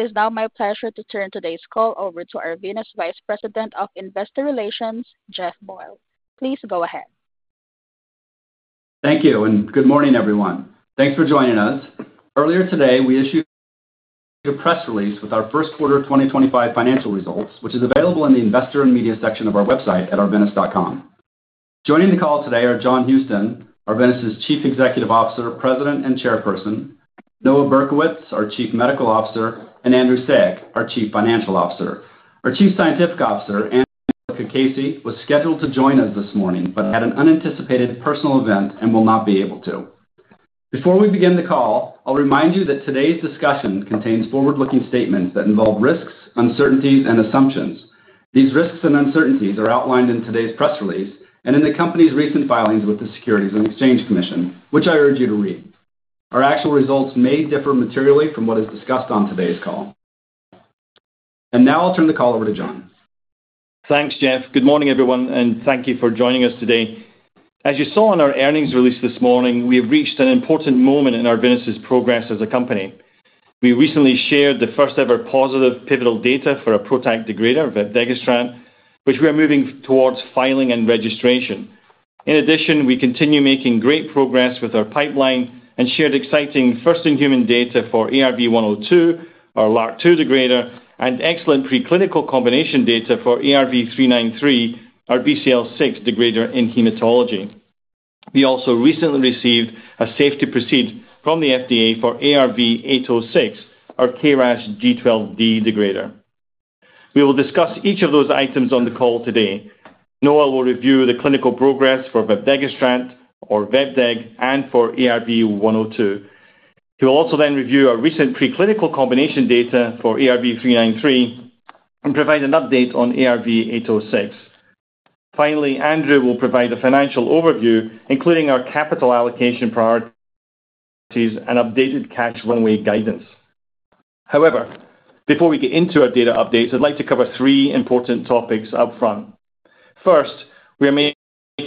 It is now my pleasure to turn today's call over to Arvinas, Vice President of Investor Relations, Jeff Boyle. Please go ahead. Thank you, and good morning, everyone. Thanks for joining us. Earlier today, we issued a press release with our First Quarter 2025 Financial Results, which is available in the Investor and Media section of our website at arvinas.com. Joining the call today are John Houston, Arvinas' Chief Executive Officer, President and Chairperson, Noah Berkowitz, our Chief Medical Officer, and Andrew Saik, our Chief Financial Officer. Our Chief Scientific Officer, Angela Cacace, was scheduled to join us this morning but had an unanticipated personal event and will not be able to. Before we begin the call, I'll remind you that today's discussion contains forward-looking statements that involve risks, uncertainties, and assumptions. These risks and uncertainties are outlined in today's press release and in the company's recent filings with the Securities and Exchange Commission, which I urge you to read. Our actual results may differ materially from what is discussed on today's call. I will now turn the call over to John. Thanks, Jeff. Good morning, everyone, and thank you for joining us today. As you saw in our earnings release this morning, we have reached an important moment in Arvinas' progress as a company. We recently shared the first-ever positive pivotal data for a PROTAC degrader, vepdegestrant, which we are moving towards filing and registration. In addition, we continue making great progress with our pipeline and shared exciting first-in-human data for ARV-102, our LRRK2 degrader, and excellent preclinical combination data for ARV-393, our BCL6 degrader in hematology. We also recently received a safety proceed from the FDA for ARV-806, our KRAS G12D degrader. We will discuss each of those items on the call today. Noah will review the clinical progress for vepdegestrant, or VEGDEG, and for ARV-102. He will also then review our recent preclinical combination data for ARV-393 and provide an update on ARV-806. Finally, Andrew will provide a financial overview, including our capital allocation priorities and updated cash runway guidance. However, before we get into our data updates, I'd like to cover three important topics upfront. First, we are making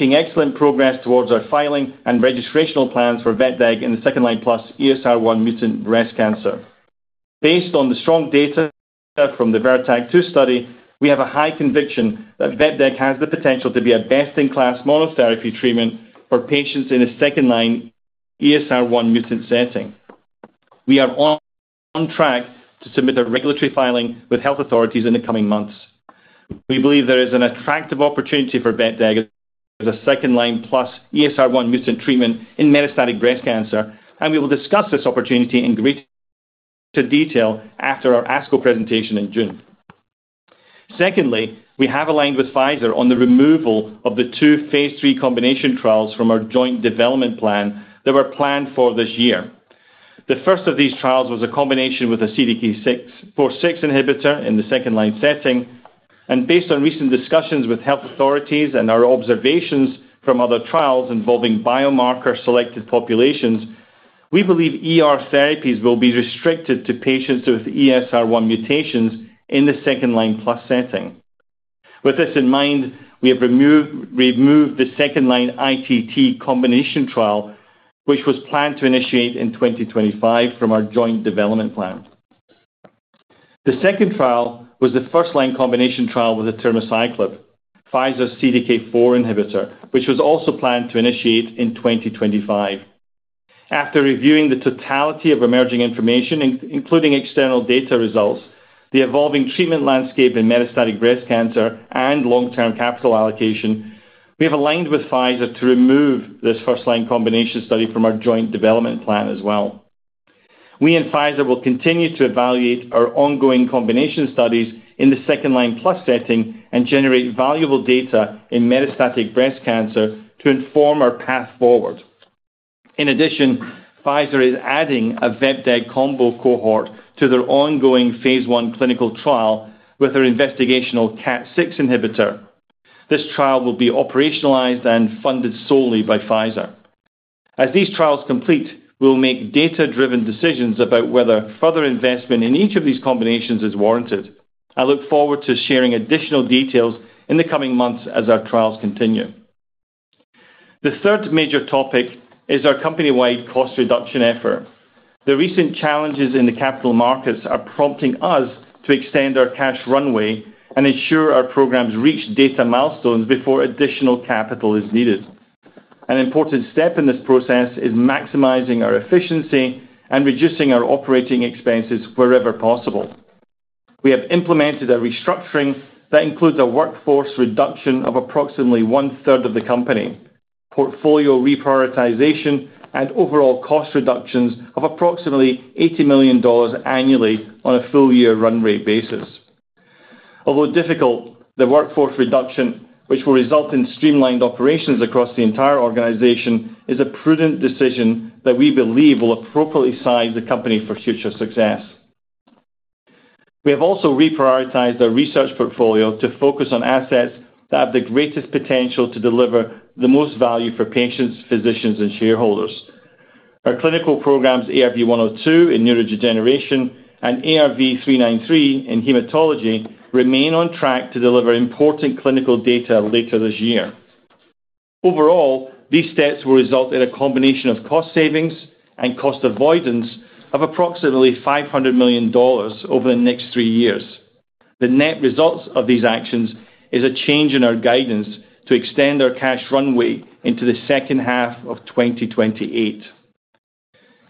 excellent progress towards our filing and registrational plans for vepdegestrant in the second-line plus ESR1 mutant breast cancer. Based on the strong data from the VERITAC-2 study, we have a high conviction that vepdegestrant has the potential to be a best-in-class monotherapy treatment for patients in a second-line ESR1 mutant setting. We are on track to submit a regulatory filing with health authorities in the coming months. We believe there is an attractive opportunity for vepdegestrant as a second-line plus ESR1 mutant treatment in metastatic breast cancer, and we will discuss this opportunity in greater detail after our ASCO presentation in June. Secondly, we have aligned with Pfizer on the removal of the two phase III combination trials from our joint development plan that were planned for this year. The first of these trials was a combination with a CDK4/6 inhibitor in the second-line setting. Based on recent discussions with health authorities and our observations from other trials involving biomarker-selected populations, we believe therapies will be restricted to patients with ESR1 mutations in the second-line plus setting. With this in mind, we have removed the second-line ITT combination trial, which was planned to initiate in 2025 from our joint development plan. The second trial was the first-line combination trial with Ibrance, Pfizer's CDK4/6 inhibitor, which was also planned to initiate in 2025. After reviewing the totality of emerging information, including external data results, the evolving treatment landscape in metastatic breast cancer, and long-term capital allocation, we have aligned with Pfizer to remove this first-line combination study from our joint development plan as well. We and Pfizer will continue to evaluate our ongoing combination studies in the second-line plus setting and generate valuable data in metastatic breast cancer to inform our path forward. In addition, Pfizer is adding a vepdegestrant combo cohort to their ongoing phase I clinical trial with their investigational CDK4/6 inhibitor. This trial will be operationalized and funded solely by Pfizer. As these trials complete, we will make data-driven decisions about whether further investment in each of these combinations is warranted. I look forward to sharing additional details in the coming months as our trials continue. The third major topic is our company-wide cost reduction effort. The recent challenges in the capital markets are prompting us to extend our cash runway and ensure our programs reach data milestones before additional capital is needed. An important step in this process is maximizing our efficiency and reducing our operating expenses wherever possible. We have implemented a restructuring that includes a workforce reduction of approximately one-third of the company, portfolio reprioritization, and overall cost reductions of approximately $80 million annually on a full-year runway basis. Although difficult, the workforce reduction, which will result in streamlined operations across the entire organization, is a prudent decision that we believe will appropriately size the company for future success. We have also reprioritized our research portfolio to focus on assets that have the greatest potential to deliver the most value for patients, physicians, and shareholders. Our clinical programs, ARV-102 in neurodegeneration and ARV-393 in hematology, remain on track to deliver important clinical data later this year. Overall, these steps will result in a combination of cost savings and cost avoidance of approximately $500 million over the next three years. The net result of these actions is a change in our guidance to extend our cash runway into the second half of 2028.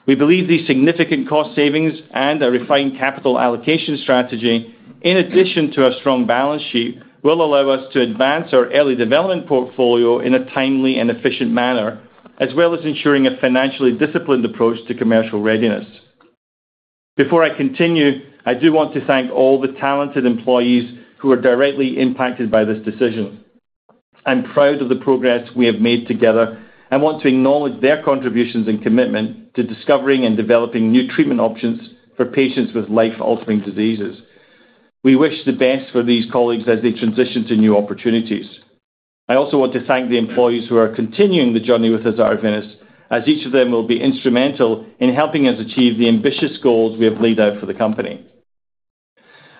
We believe these significant cost savings and our refined capital allocation strategy, in addition to our strong balance sheet, will allow us to advance our early development portfolio in a timely and efficient manner, as well as ensuring a financially disciplined approach to commercial readiness. Before I continue, I do want to thank all the talented employees who are directly impacted by this decision. I'm proud of the progress we have made together and want to acknowledge their contributions and commitment to discovering and developing new treatment options for patients with life-altering diseases. We wish the best for these colleagues as they transition to new opportunities. I also want to thank the employees who are continuing the journey with us at Arvinas, as each of them will be instrumental in helping us achieve the ambitious goals we have laid out for the company.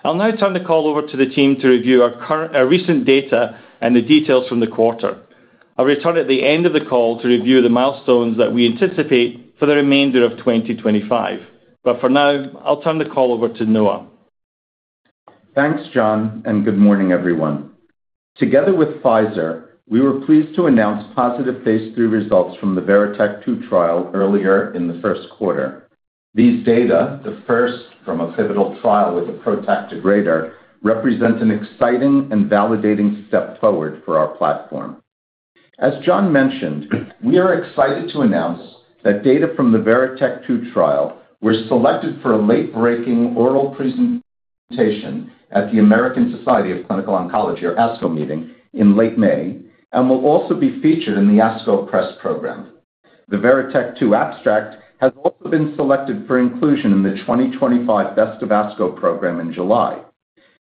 I'll now turn the call over to the team to review our recent data and the details from the quarter. I'll return at the end of the call to review the milestones that we anticipate for the remainder of 2025. For now, I'll turn the call over to Noah. Thanks, John, and good morning, everyone. Together with Pfizer, we were pleased to announce positive phase III results from the VERITAC-2 trial earlier in the first quarter. These data, the first from a pivotal trial with a PROTAC degrader, represent an exciting and validating step forward for our platform. As John mentioned, we are excited to announce that data from the VERITAC-2 trial were selected for a late-breaking oral presentation at the American Society of Clinical Oncology, or ASCO, meeting in late May, and will also be featured in the ASCO press program. The VERITAC-2 abstract has also been selected for inclusion in the 2025 Best of ASCO program in July.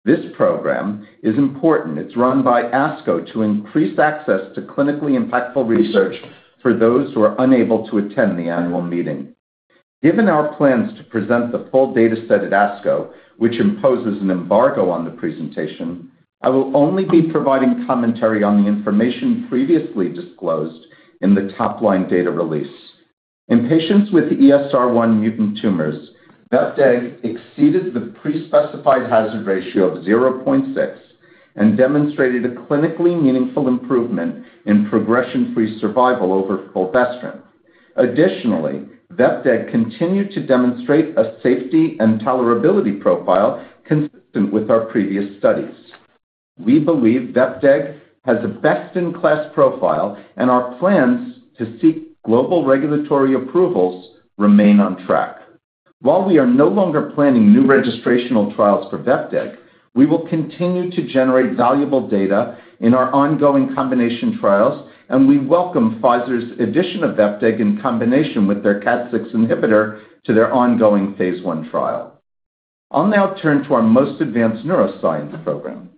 This program is important. It's run by ASCO to increase access to clinically impactful research for those who are unable to attend the annual meeting. Given our plans to present the full data set at ASCO, which imposes an embargo on the presentation, I will only be providing commentary on the information previously disclosed in the top-line data release. In patients with ESR1 mutant tumors, vepdegestrant exceeded the pre-specified hazard ratio of 0.6 and demonstrated a clinically meaningful improvement in progression-free survival over fulvestrant. Additionally, vepdegestrant continued to demonstrate a safety and tolerability profile consistent with our previous studies. We believe vepdegestrant has a best-in-class profile, and our plans to seek global regulatory approvals remain on track. While we are no longer planning new registrational trials for vepdegestrant, we will continue to generate valuable data in our ongoing combination trials, and we welcome Pfizer's addition of vepdegestrant in combination with their CDK4/6 inhibitor to their ongoing phase I trial. I'll now turn to our most advanced neuroscience program.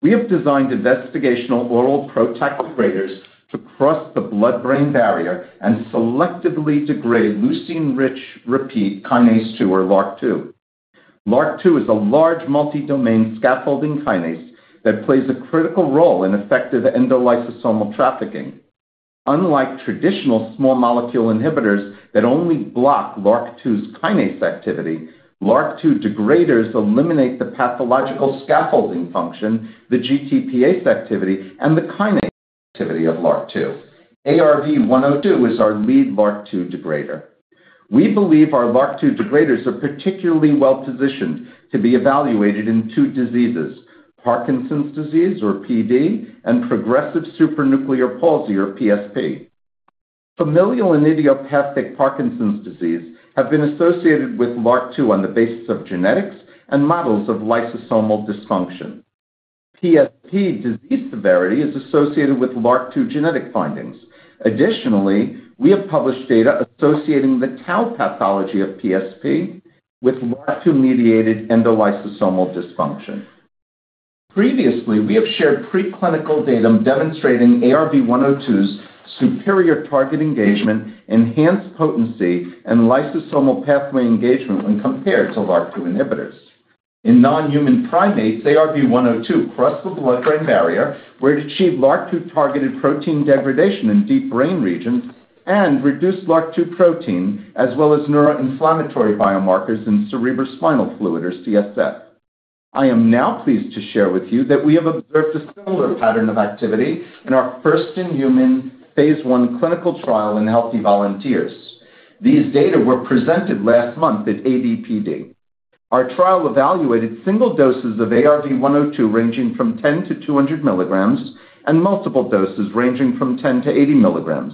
We have designed investigational oral PROTAC degraders to cross the blood-brain barrier and selectively degrade leucine-rich repeat kinase 2, or LRRK2. LRRK2 is a large multi-domain scaffolding kinase that plays a critical role in effective endolysosomal trafficking. Unlike traditional small molecule inhibitors that only block LRRK2's kinase activity, LRRK2 degraders eliminate the pathological scaffolding function, the GTPase activity, and the kinase activity of LRRK2. ARV-102 is our lead LRRK2 degrader. We believe our LRRK2 degraders are particularly well-positioned to be evaluated in two diseases: Parkinson's disease, or PD, and progressive supranuclear palsy, or PSP. Familial and idiopathic Parkinson's disease have been associated with LRRK2 on the basis of genetics and models of lysosomal dysfunction. PSP disease severity is associated with LRRK2 genetic findings. Additionally, we have published data associating the tau pathology of PSP with LRRK2-mediated endolysosomal dysfunction. Previously, we have shared preclinical data demonstrating ARV-102's superior target engagement, enhanced potency, and lysosomal pathway engagement when compared to LRRK2 inhibitors. In non-human primates, ARV-102 crossed the blood-brain barrier where it achieved LRRK2-targeted protein degradation in deep brain regions and reduced LRRK2 protein as well as neuroinflammatory biomarkers in cerebrospinal fluid, or CSF. I am now pleased to share with you that we have observed a similar pattern of activity in our first-in-human phase I clinical trial in healthy volunteers. These data were presented last month at ADPD. Our trial evaluated single doses of ARV-102 ranging from 10-200 milligrams and multiple doses ranging from 10 mg-80 mg.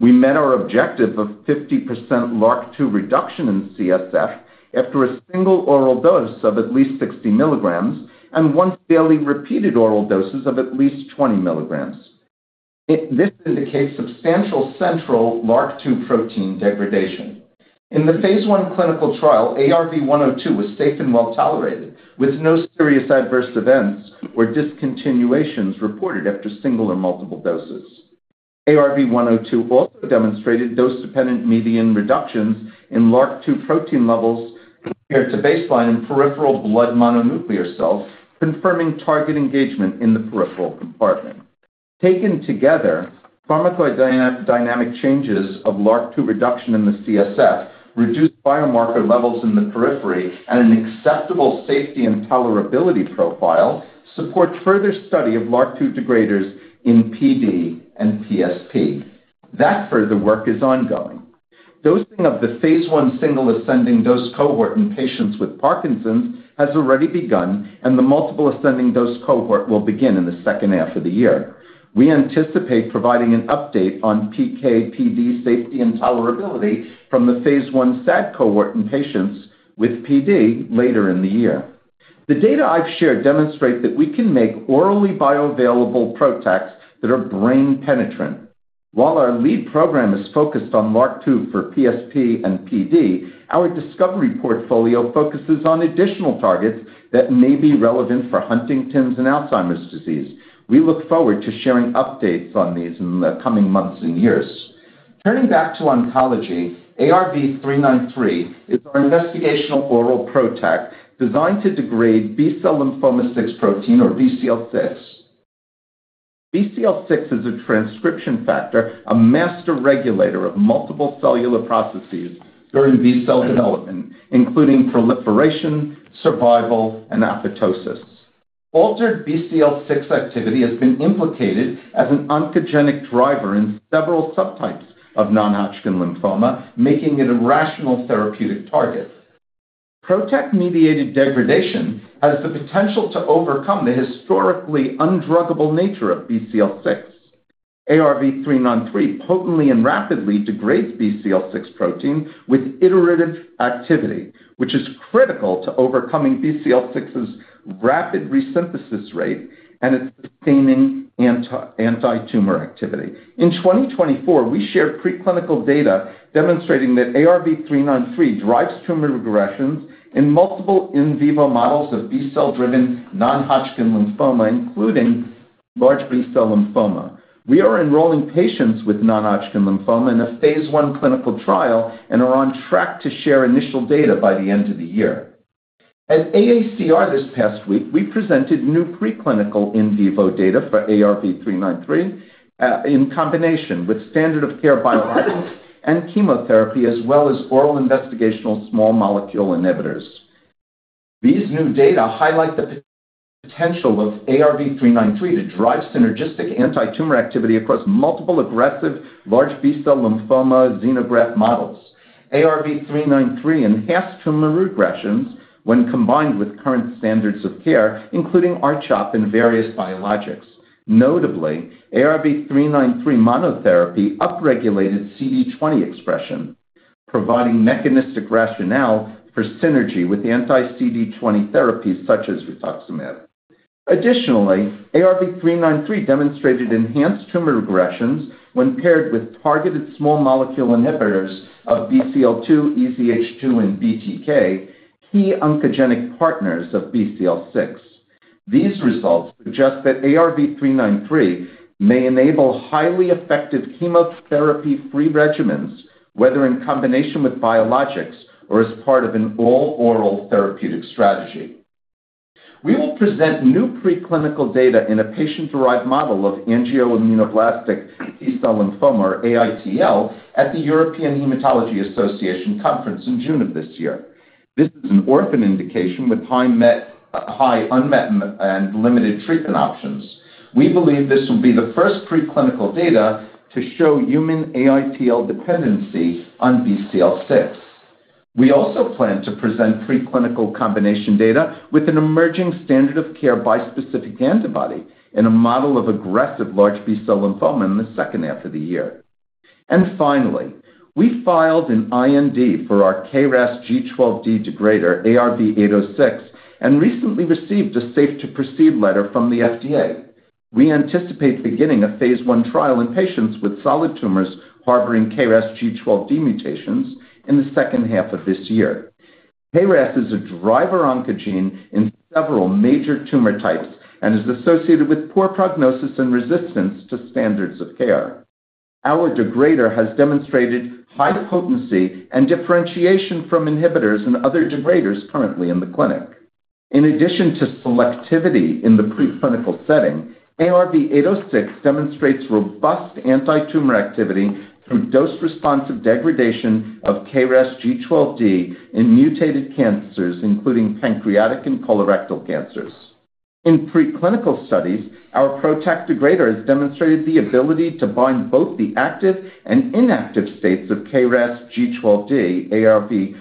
We met our objective of 50% LRRK2 reduction in CSF after a single oral dose of at least 60 mg and once-daily repeated oral doses of at least 20 mg. This indicates substantial central LRRK2 protein degradation. In the phase I clinical trial, ARV-102 was safe and well-tolerated, with no serious adverse events or discontinuations reported after single or multiple doses. ARV-102 also demonstrated dose-dependent median reductions in LRRK2 protein levels compared to baseline in peripheral blood mononuclear cells, confirming target engagement in the peripheral compartment. Taken together, pharmacodynamic changes of LRRK2 reduction in the CSF, reduced biomarker levels in the periphery, and an acceptable safety and tolerability profile support further study of LRRK2 degraders in PD and PSP. That further work is ongoing. Dosing of the phase I single ascending dose cohort in patients with Parkinson's has already begun, and the multiple ascending dose cohort will begin in the second half of the year. We anticipate providing an update on PK, PD safety and tolerability from the phase I SAD cohort in patients with PD later in the year. The data I've shared demonstrate that we can make orally bioavailable PROTACs that are brain-penetrant. While our lead program is focused on LRRK2 for PSP and PD, our discovery portfolio focuses on additional targets that may be relevant for Huntington's and Alzheimer's disease. We look forward to sharing updates on these in the coming months and years. Turning back to oncology, ARV-393 is our investigational oral PROTAC designed to degrade BCL6, or B-cell lymphoma 6 protein. BCL6 is a transcription factor, a master regulator of multiple cellular processes during B-cell development, including proliferation, survival, and apoptosis. Altered BCL6 activity has been implicated as an oncogenic driver in several subtypes of non-Hodgkin lymphoma, making it a rational therapeutic target. PROTAC-mediated degradation has the potential to overcome the historically undruggable nature of BCL6. ARV-393 potently and rapidly degrades BCL6 protein with iterative activity, which is critical to overcoming BCL6's rapid resynthesis rate and its sustaining anti-tumor activity. In 2024, we shared preclinical data demonstrating that ARV-393 drives tumor regressions in multiple in vivo models of B-cell-driven non-Hodgkin lymphoma, including large B-cell lymphoma. We are enrolling patients with non-Hodgkin lymphoma in a phase I clinical trial and are on track to share initial data by the end of the year. At AACR this past week, we presented new preclinical in vivo data for ARV-393 in combination with standard of care biologics and chemotherapy, as well as oral investigational small molecule inhibitors. These new data highlight the potential of ARV-393 to drive synergistic anti-tumor activity across multiple aggressive large B-cell lymphoma xenograft models. ARV-393 enhanced tumor regressions when combined with current standards of care, including R-CHOP and various biologics. Notably, ARV-393 monotherapy upregulated CD20 expression, providing mechanistic rationale for synergy with anti-CD20 therapies such as rituximab. Additionally, ARV-393 demonstrated enhanced tumor regressions when paired with targeted small molecule inhibitors of BCL2, EZH2, and BTK, key oncogenic partners of BCL6. These results suggest that ARV-393 may enable highly effective chemotherapy-free regimens, whether in combination with biologics or as part of an all-oral therapeutic strategy. We will present new preclinical data in a patient-derived model of angioimmunoblastic T-cell lymphoma, or AITL, at the European Hematology Association conference in June of this year. This is an orphan indication with high unmet and limited treatment options. We believe this will be the first preclinical data to show human AITL dependency on BCL6. We also plan to present preclinical combination data with an emerging standard of care bispecific antibody in a model of aggressive large B-cell lymphoma in the second half of the year. Finally, we filed an IND for our KRAS G12D degrader, ARV-806, and recently received a safe-to-proceed letter from the FDA. We anticipate beginning a phase I trial in patients with solid tumors harboring KRAS G12D mutations in the second half of this year. KRAS is a driver oncogene in several major tumor types and is associated with poor prognosis and resistance to standards of care. Our degrader has demonstrated high potency and differentiation from inhibitors and other degraders currently in the clinic. In addition to selectivity in the preclinical setting, ARV-806 demonstrates robust anti-tumor activity through dose-responsive degradation of KRAS G12D in mutated cancers, including pancreatic and colorectal cancers. In preclinical studies, our PROTAC degrader has demonstrated the ability to bind both the active and inactive states of KRAS G12D. ARV-806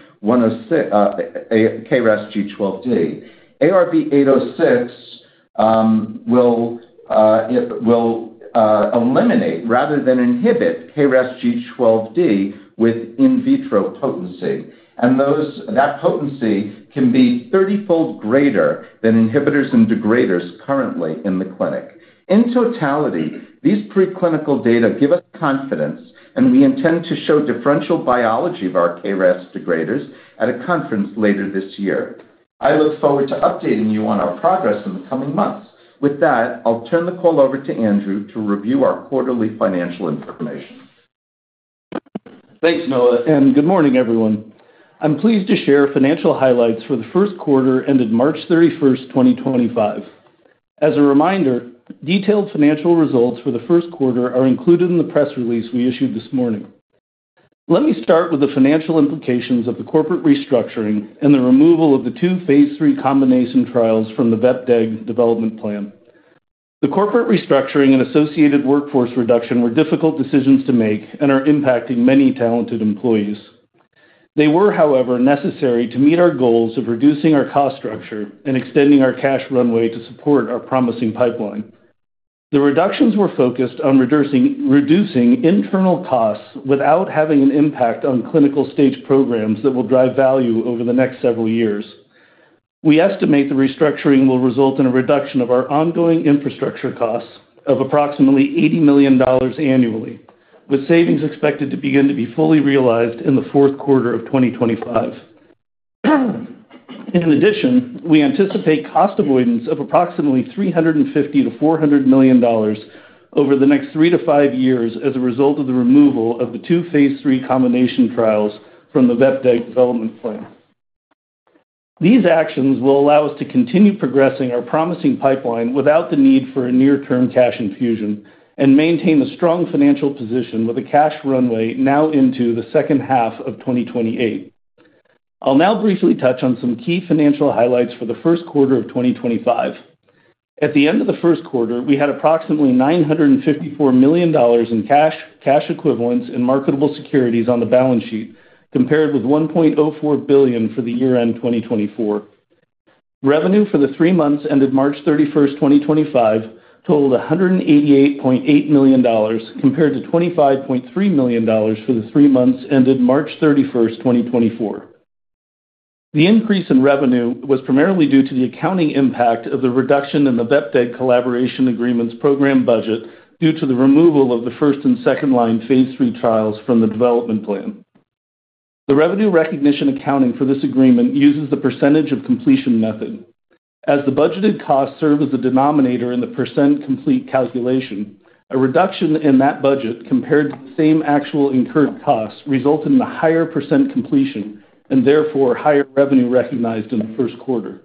will eliminate, rather than inhibit, KRAS G12D with in vitro potency. That potency can be 30-fold greater than inhibitors and degraders currently in the clinic. In totality, these preclinical data give us confidence, and we intend to show differential biology of our KRAS degraders at a conference later this year. I look forward to updating you on our progress in the coming months. With that, I'll turn the call over to Andrew to review our quarterly financial information. Thanks, Noah, and good morning, everyone. I'm pleased to share financial highlights for the first quarter ended March 31st, 2025. As a reminder, detailed financial results for the first quarter are included in the press release we issued this morning. Let me start with the financial implications of the corporate restructuring and the removal of the two phase III combination trials from the vepdegestrant development plan. The corporate restructuring and associated workforce reduction were difficult decisions to make and are impacting many talented employees. They were, however, necessary to meet our goals of reducing our cost structure and extending our cash runway to support our promising pipeline. The reductions were focused on reducing internal costs without having an impact on clinical stage programs that will drive value over the next several years. We estimate the restructuring will result in a reduction of our ongoing infrastructure costs of approximately $80 million annually, with savings expected to begin to be fully realized in the fourth quarter of 2025. In addition, we anticipate cost avoidance of approximately $350 million-$400 million over the next three to five years as a result of the removal of the two phase III combination trials from the vepdegestrant development plan. These actions will allow us to continue progressing our promising pipeline without the need for a near-term cash infusion and maintain a strong financial position with a cash runway now into the second half of 2028. I'll now briefly touch on some key financial highlights for the first quarter of 2025. At the end of the first quarter, we had approximately $954 million in cash, cash equivalents, and marketable securities on the balance sheet, compared with $1.04 billion for the year-end 2024. Revenue for the three months ended March 31, 2025, totaled $188.8 million, compared to $25.3 million for the three months ended March 31st, 2024. The increase in revenue was primarily due to the accounting impact of the reduction in the vepdegestrant collaboration agreement's program budget due to the removal of the first and second-line phase III trials from the development plan. The revenue recognition accounting for this agreement uses the percentage of completion method. As the budgeted costs serve as a denominator in the percent complete calculation, a reduction in that budget compared to the same actual incurred costs resulted in a higher % completion and therefore higher revenue recognized in the first quarter.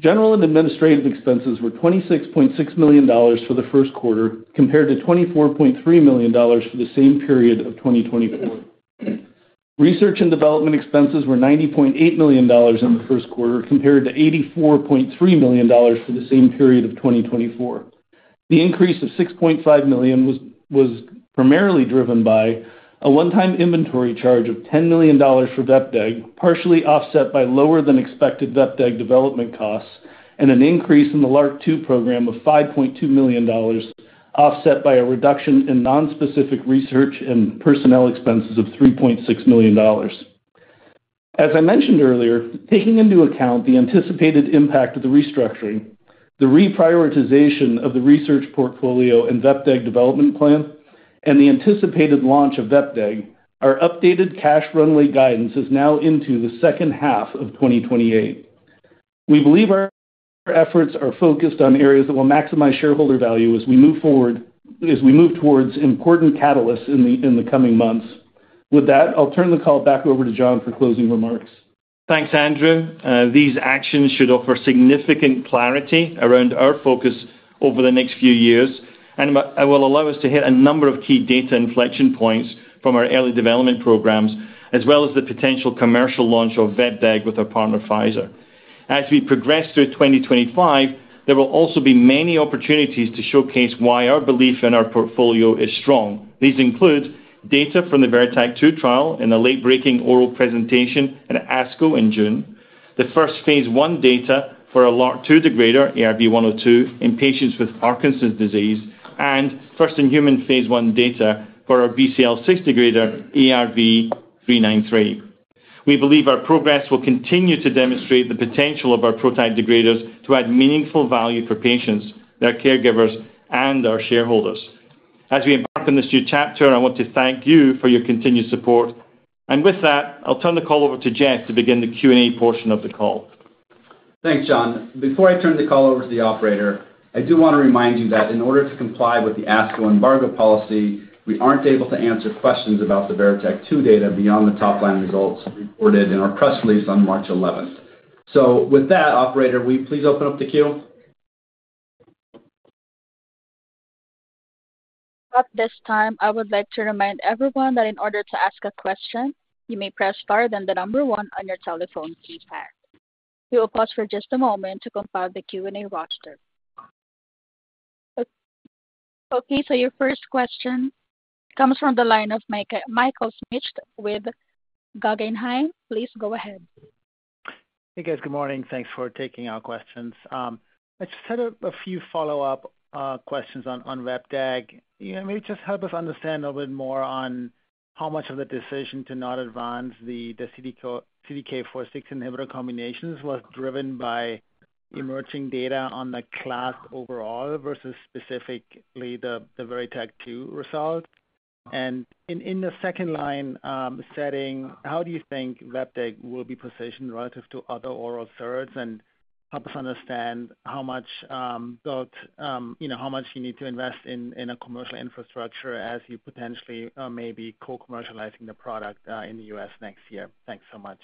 General and administrative expenses were $26.6 million for the first quarter, compared to $24.3 million for the same period of 2024. Research and development expenses were $90.8 million in the first quarter, compared to $84.3 million for the same period of 2024. The increase of $6.5 million was primarily driven by a one-time inventory charge of $10 million for vepdegestrant, partially offset by lower-than-expected vepdegestrant development costs and an increase in the LRRK2 program of $5.2 million, offset by a reduction in non-specific research and personnel expenses of $3.6 million. As I mentioned earlier, taking into account the anticipated impact of the restructuring, the reprioritization of the research portfolio and vepdegestrant development plan, and the anticipated launch of vepdegestrant, our updated cash runway guidance is now into the second half of 2028. We believe our efforts are focused on areas that will maximize shareholder value as we move forward, as we move towards important catalysts in the coming months. With that, I'll turn the call back over to John for closing remarks. Thanks, Andrew. These actions should offer significant clarity around our focus over the next few years, and it will allow us to hit a number of key data inflection points from our early development programs, as well as the potential commercial launch of vepdegestrant with our partner, Pfizer. As we progress through 2025, there will also be many opportunities to showcase why our belief in our portfolio is strong. These include data from the VERITAC-2 trial and the late-breaking oral presentation at ASCO in June, the first phase I data for our LRRK2 degrader, ARV-102, in patients with Parkinson's disease, and first-in-human phase I data for our BCL6 degrader, ARV-393. We believe our progress will continue to demonstrate the potential of our PROTAC degraders to add meaningful value for patients, their caregivers, and our shareholders. As we embark on this new chapter, I want to thank you for your continued support. With that, I'll turn the call over to Jeff to begin the Q&A portion of the call. Thanks, John. Before I turn the call over to the operator, I do want to remind you that in order to comply with the ASCO embargo policy, we aren't able to answer questions about the VERITAC-2 data beyond the top-line results reported in our press release on March 11. With that, operator, will you please open up the queue? At this time, I would like to remind everyone that in order to ask a question, you may press star then the number one on your telephone keypad. We will pause for just a moment to compile the Q&A roster. Okay, your first question comes from the line of Michael Schmidt with Guggenheim. Please go ahead. Hey, guys. Good morning. Thanks for taking our questions. I just had a few follow-up questions on vepdegestrant. Maybe just help us understand a little bit more on how much of the decision to not advance the CDK4/6 inhibitor combinations was driven by emerging data on the class overall versus specifically the VERITAC-2 result. In the second-line setting, how do you think vepdegestrant will be positioned relative to other oral SERDs and help us understand how much you need to invest in a commercial infrastructure as you potentially may be co-commercializing the product in the U.S. next year? Thanks so much.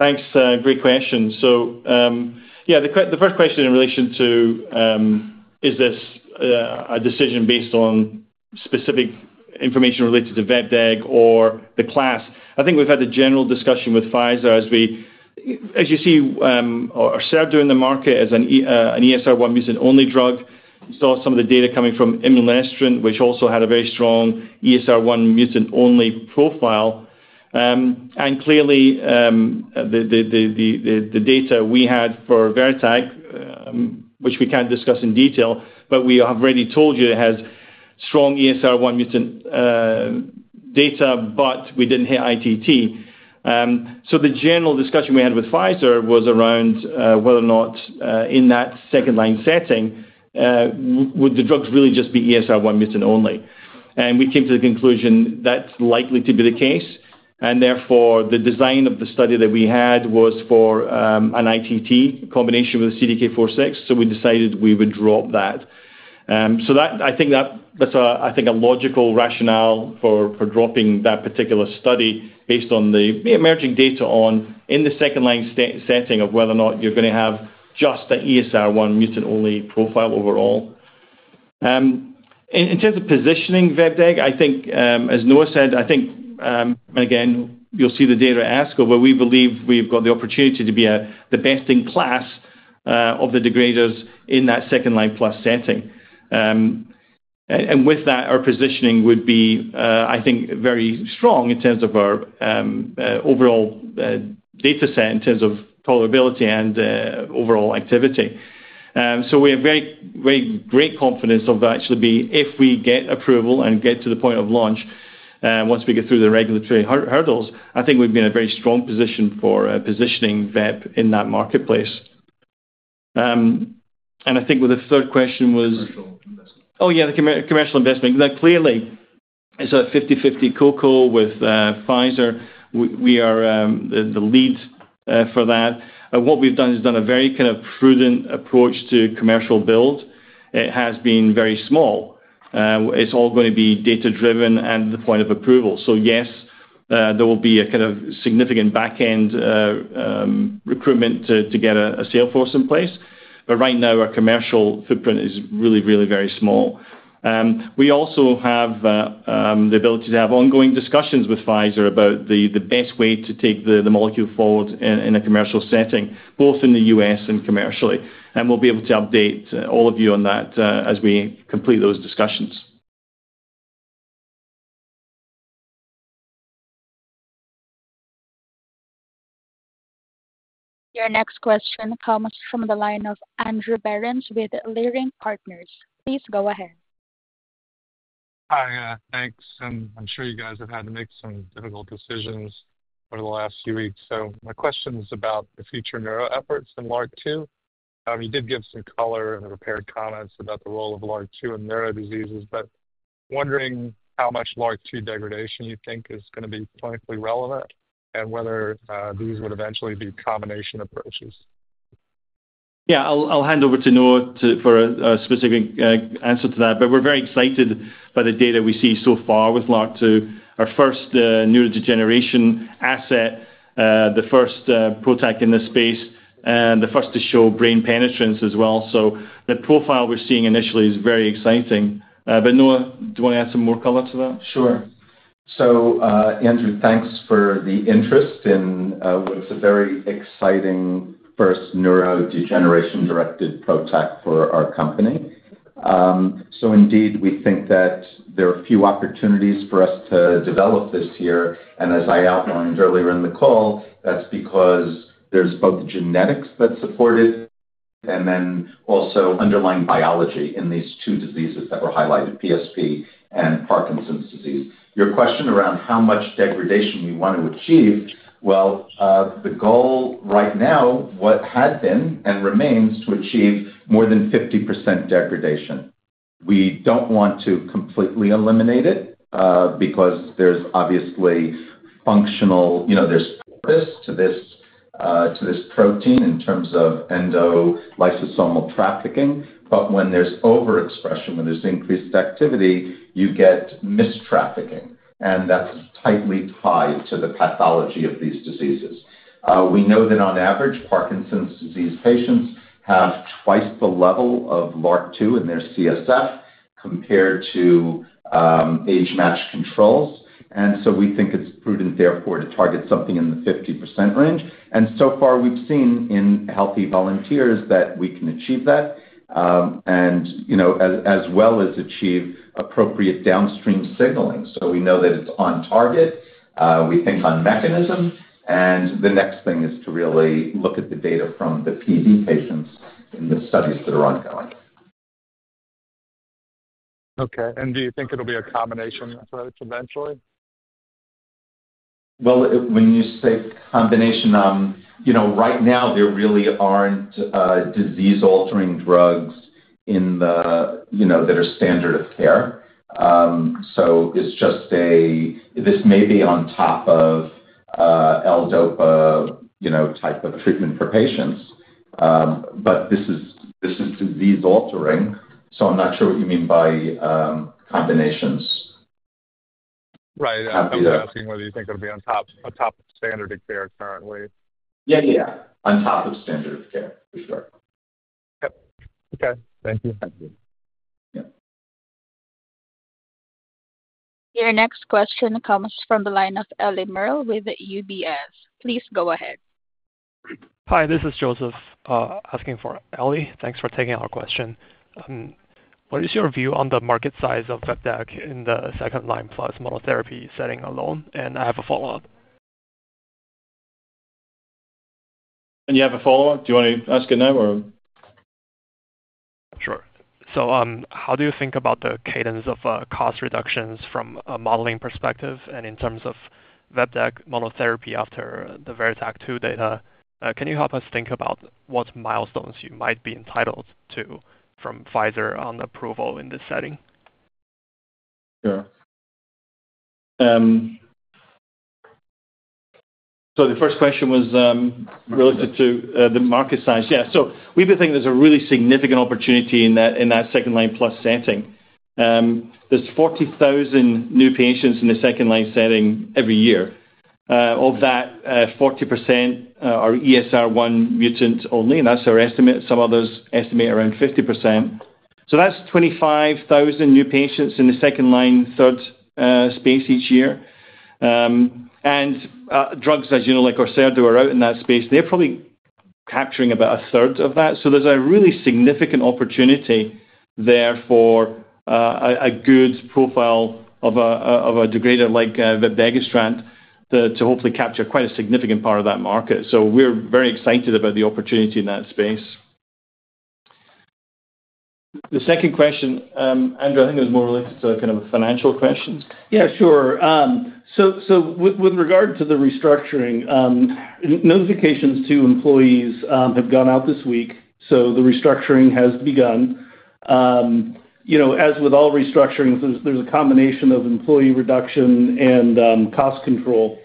Thanks. Great question. The first question in relation to is this a decision based on specific information related to vepdegestrant or the class? I think we've had a general discussion with Pfizer as we, as you see, Orserdu in the market as an ESR1 mutant-only drug. You saw some of the data coming from Immunostrand, which also had a very strong ESR1 mutant-only profile. Clearly, the data we had for Verityk, which we can't discuss in detail, but we have already told you it has strong ESR1 mutant data, but we didn't hit ITT. The general discussion we had with Pfizer was around whether or not in that second-line setting, would the drugs really just be ESR1 mutant-only? We came to the conclusion that's likely to be the case. Therefore, the design of the study that we had was for an ITT combination with a CDK4/6, so we decided we would drop that. I think that's, I think, a logical rationale for dropping that particular study based on the emerging data in the second-line setting of whether or not you're going to have just the ESR1 mutant-only profile overall. In terms of positioning vepdegestrant, I think, as Noah said, I think, and again, you'll see the data at ASCO, but we believe we've got the opportunity to be the best in class of the degraders in that second-line plus setting. With that, our positioning would be, I think, very strong in terms of our overall data set in terms of tolerability and overall activity. We have very great confidence of actually being, if we get approval and get to the point of launch once we get through the regulatory hurdles, I think we've been in a very strong position for positioning vepdegestrant in that marketplace. I think the third question was commercial investment. Oh, yeah, the commercial investment. Now, clearly, it's a 50/50 [co-co] with Pfizer. We are the lead for that. What we've done is done a very kind of prudent approach to commercial build. It has been very small. It's all going to be data-driven and the point of approval. Yes, there will be a kind of significant back-end recruitment to get a sales force in place. Right now, our commercial footprint is really, really very small. We also have the ability to have ongoing discussions with Pfizer about the best way to take the molecule forward in a commercial setting, both in the U.S. and commercially. We will be able to update all of you on that as we complete those discussions. Your next question comes from the line of Andrew Berens with Leerink Partners. Please go ahead. Hi, thanks. I'm sure you guys have had to make some difficult decisions over the last few weeks. My question is about the future neuro efforts in LRRK2. You did give some color and prepared comments about the role of LRRK2 in neuro diseases, but wondering how much LRRK2 degradation you think is going to be clinically relevant and whether these would eventually be combination approaches. I'll hand over to Noah for a specific answer to that. We're very excited by the data we see so far with LRRK2, our first neurodegeneration asset, the first PROTAC in this space, and the first to show brain penetrance as well. The profile we're seeing initially is very exciting. Noah, do you want to add some more color to that? Sure. Andrew, thanks for the interest in what's a very exciting first neurodegeneration-directed PROTAC for our company. Indeed, we think that there are few opportunities for us to develop this year. As I outlined earlier in the call, that's because there's both genetics that support it and then also underlying biology in these two diseases that were highlighted, PSP and Parkinson's disease. Your question around how much degradation we want to achieve, the goal right now had been and remains to achieve more than 50% degradation. We don't want to completely eliminate it because there's obviously functional, there's purpose to this protein in terms of endolysosomal trafficking. When there's overexpression, when there's increased activity, you get mistrafficking. That's tightly tied to the pathology of these diseases. We know that on average, Parkinson's disease patients have twice the level of LRRK2 in their CSF compared to age-matched controls. We think it's prudent, therefore, to target something in the 50% range. So far, we've seen in healthy volunteers that we can achieve that as well as achieve appropriate downstream signaling. We know that it's on target. We think on mechanism. The next thing is to really look at the data from the PD patients in the studies that are ongoing. Okay. Do you think it'll be a combination approach eventually? When you say combination, right now, there really aren't disease-altering drugs that are standard of care. It's just a this may be on top of L-DOPA type of treatment for patients. This is disease-altering. I'm not sure what you mean by combinations. Right. I was asking whether you think it'll be on top of standard of care currently. Yeah, yeah, yeah. On top of standard of care, for sure. Yep. Okay. Thank you. Thank you. Yeah. Your next question comes from the line of Ellie Merle with UBS. Please go ahead. Hi, this is Joseph asking for Ellie. Thanks for taking our question. What is your view on the market size of vepdegestrant in the second-line plus monotherapy setting alone? I have a follow-up. You have a follow-up? Do you want to ask it now or? Sure. How do you think about the cadence of cost reductions from a modeling perspective and in terms of vepdegestrant monotherapy after the VERITAC-2 data? Can you help us think about what milestones you might be entitled to from Pfizer on approval in this setting? Sure. The first question was related to the market size. Yeah. We've been thinking there's a really significant opportunity in that second-line plus setting. There are 40,000 new patients in the second-line setting every year. Of that, 40% are ESR1 mutants only, and that's our estimate. Some others estimate around 50%. That's 25,000 new patients in the second-line third space each year. Drugs, as you know, like Orserdu were out in that space, they're probably capturing about a third of that. There's a really significant opportunity there for a good profile of a degrader like vepdegestrant to hopefully capture quite a significant part of that market. We're very excited about the opportunity in that space. The second question, Andrew, I think it was more related to kind of a financial question. Yeah, sure. With regard to the restructuring, notifications to employees have gone out this week. The restructuring has begun. As with all restructurings, there's a combination of employee reduction and cost control.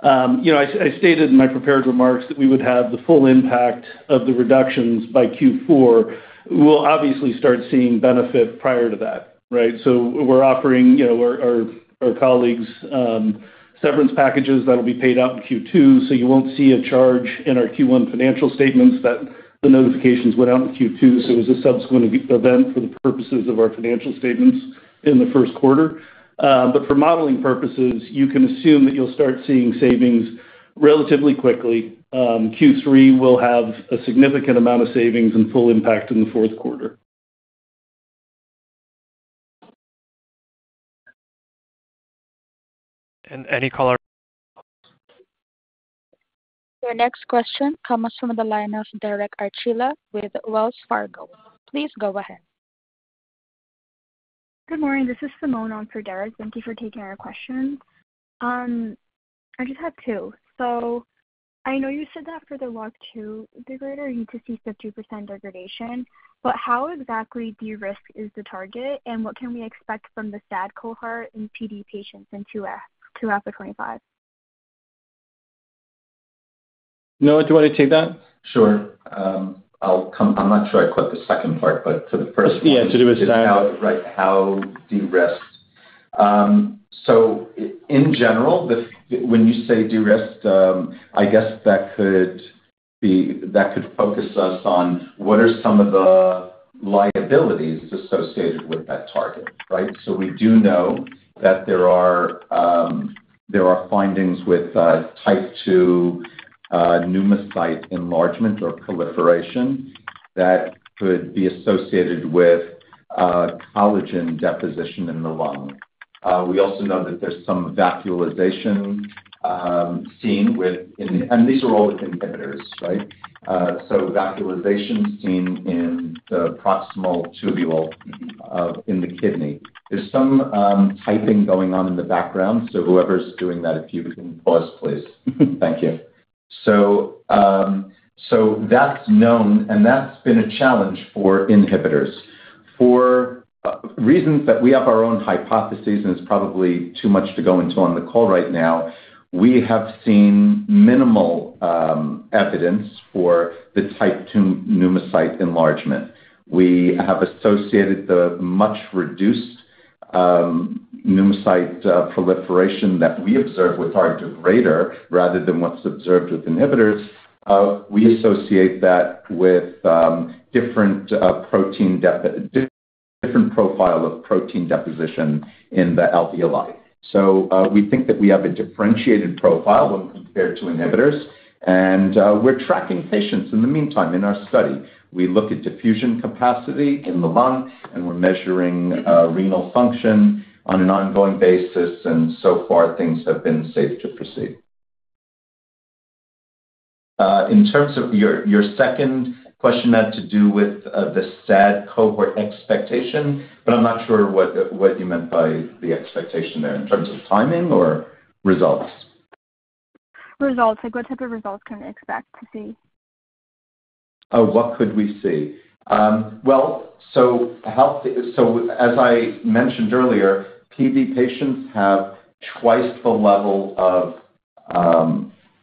I stated in my prepared remarks that we would have the full impact of the reductions by Q4. We'll obviously start seeing benefit prior to that, right? We're offering our colleagues severance packages that will be paid out in Q2. You won't see a charge in our Q1 financial statements as the notifications went out in Q2. It was a subsequent event for the purposes of our financial statements in the first quarter. For modeling purposes, you can assume that you'll start seeing savings relatively quickly. Q3 will have a significant amount of savings and full impact in the fourth quarter. Any color? Your next question comes from the line of Derek Archila with Wells Fargo. Please go ahead. Good morning. This is Simone on for Derek. Thank you for taking our questions. I just had two. I know you said that for the LRRK2 degrader, you could see 50% degradation. But how exactly derisked is the target, and what can we expect from the SAD cohort in PD patients in 2024 or 2025? Noah, do you want to take that? Sure. I'm not sure I caught the second part, but to the first one. Yeah, to do with SAD, right, how derisked. In general, when you say derisked, I guess that could focus us on what are some of the liabilities associated with that target, right? We do know that there are findings with type 2 pneumocyte enlargement or proliferation that could be associated with collagen deposition in the lung. We also know that there's some vascularization seen within the—and these are all with inhibitors, right? Vascularization seen in the proximal tubule in the kidney. There's some typing going on in the background. Whoever's doing that, if you can pause, please. Thank you. That's known, and that's been a challenge for inhibitors. For reasons that we have our own hypotheses, and it's probably too much to go into on the call right now, we have seen minimal evidence for the type 2 pneumocyte enlargement. We have associated the much-reduced pneumocyte proliferation that we observe with our degrader, rather than what's observed with inhibitors. We associate that with a different profile of protein deposition in the alveoli. We think that we have a differentiated profile when compared to inhibitors. We're tracking patients in the meantime in our study. We look at diffusion capacity in the lung, and we're measuring renal function on an ongoing basis. So far, things have been safe to proceed. In terms of your second question, that had to do with the SAD cohort expectation, but I'm not sure what you meant by the expectation there in terms of timing or results. Results. What type of results can we expect to see? What could we see? As I mentioned earlier, PD patients have twice the level of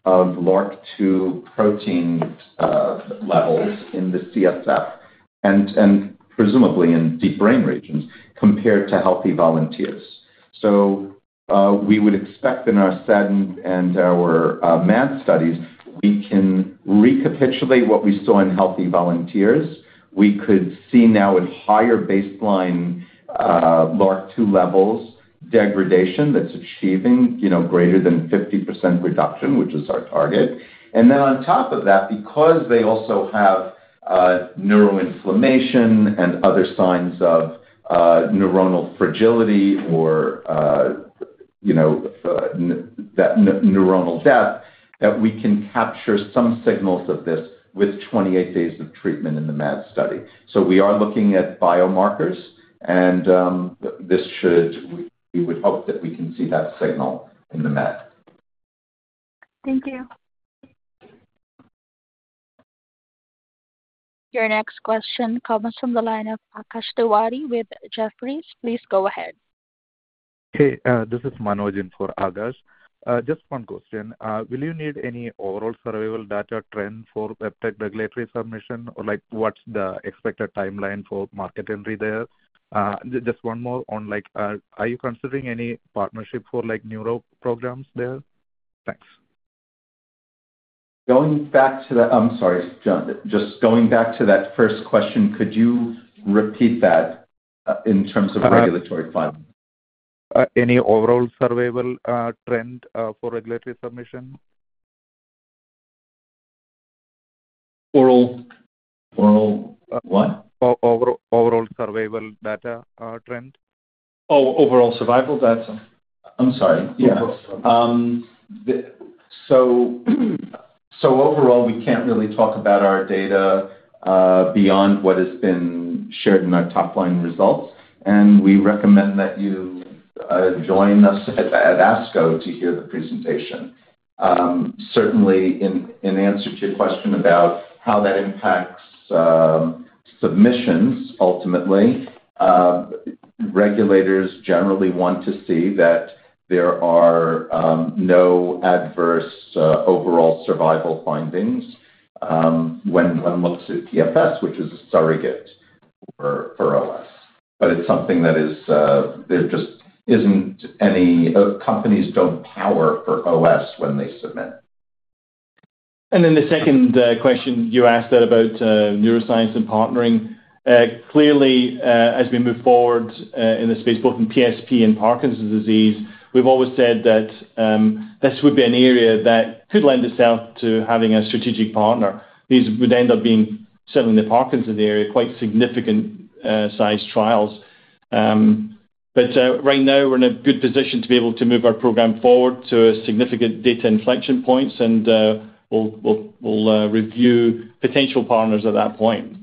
LRRK2 protein levels in the CSF and presumably in deep brain regions compared to healthy volunteers. We would expect in our SAD and our MAD studies, we can recapitulate what we saw in healthy volunteers. We could see now at higher baseline LRRK2 levels degradation that's achieving greater than 50% reduction, which is our target. Then on top of that, because they also have neuroinflammation and other signs of neuronal fragility or that neuronal death, we can capture some signals of this with 28 days of treatment in the MAD study. We are looking at biomarkers, and we would hope that we can see that signal in the MAD. Thank you. Your next question comes from the line of Akash Iwari with Jefferies. Please go ahead. Hey, this is Manoj in for Akash. Just one question. Will you need any overall surveillance data trend for vepdegestrant regulatory submission, or what's the expected timeline for market entry there? Just one more on, are you considering any partnership for neuro programs there? Thanks. Going back to that—I'm sorry, just going back to that first question, could you repeat that in terms of regulatory funding? Any overall surveillance trend for regulatory submission? Oral what? Overall survival data trend. Oh, overall survival data. I'm sorry. Yeah. Overall, we can't really talk about our data beyond what has been shared in our top-line results. We recommend that you join us at ASCO to hear the presentation. Certainly, in answer to your question about how that impacts submissions, ultimately, regulators generally want to see that there are no adverse overall survival findings when one looks at EFS, which is a surrogate for OS. It's something that is there. There just isn't any companies don't power for OS when they submit. The second question you asked about neuroscience and partnering. Clearly, as we move forward in the space, both in PSP and Parkinson's disease, we've always said that this would be an area that could lend itself to having a strategic partner. These would end up being certainly in the Parkinson's area, quite significant-sized trials. Right now, we're in a good position to be able to move our program forward to significant data inflection points, and we'll review potential partners at that point.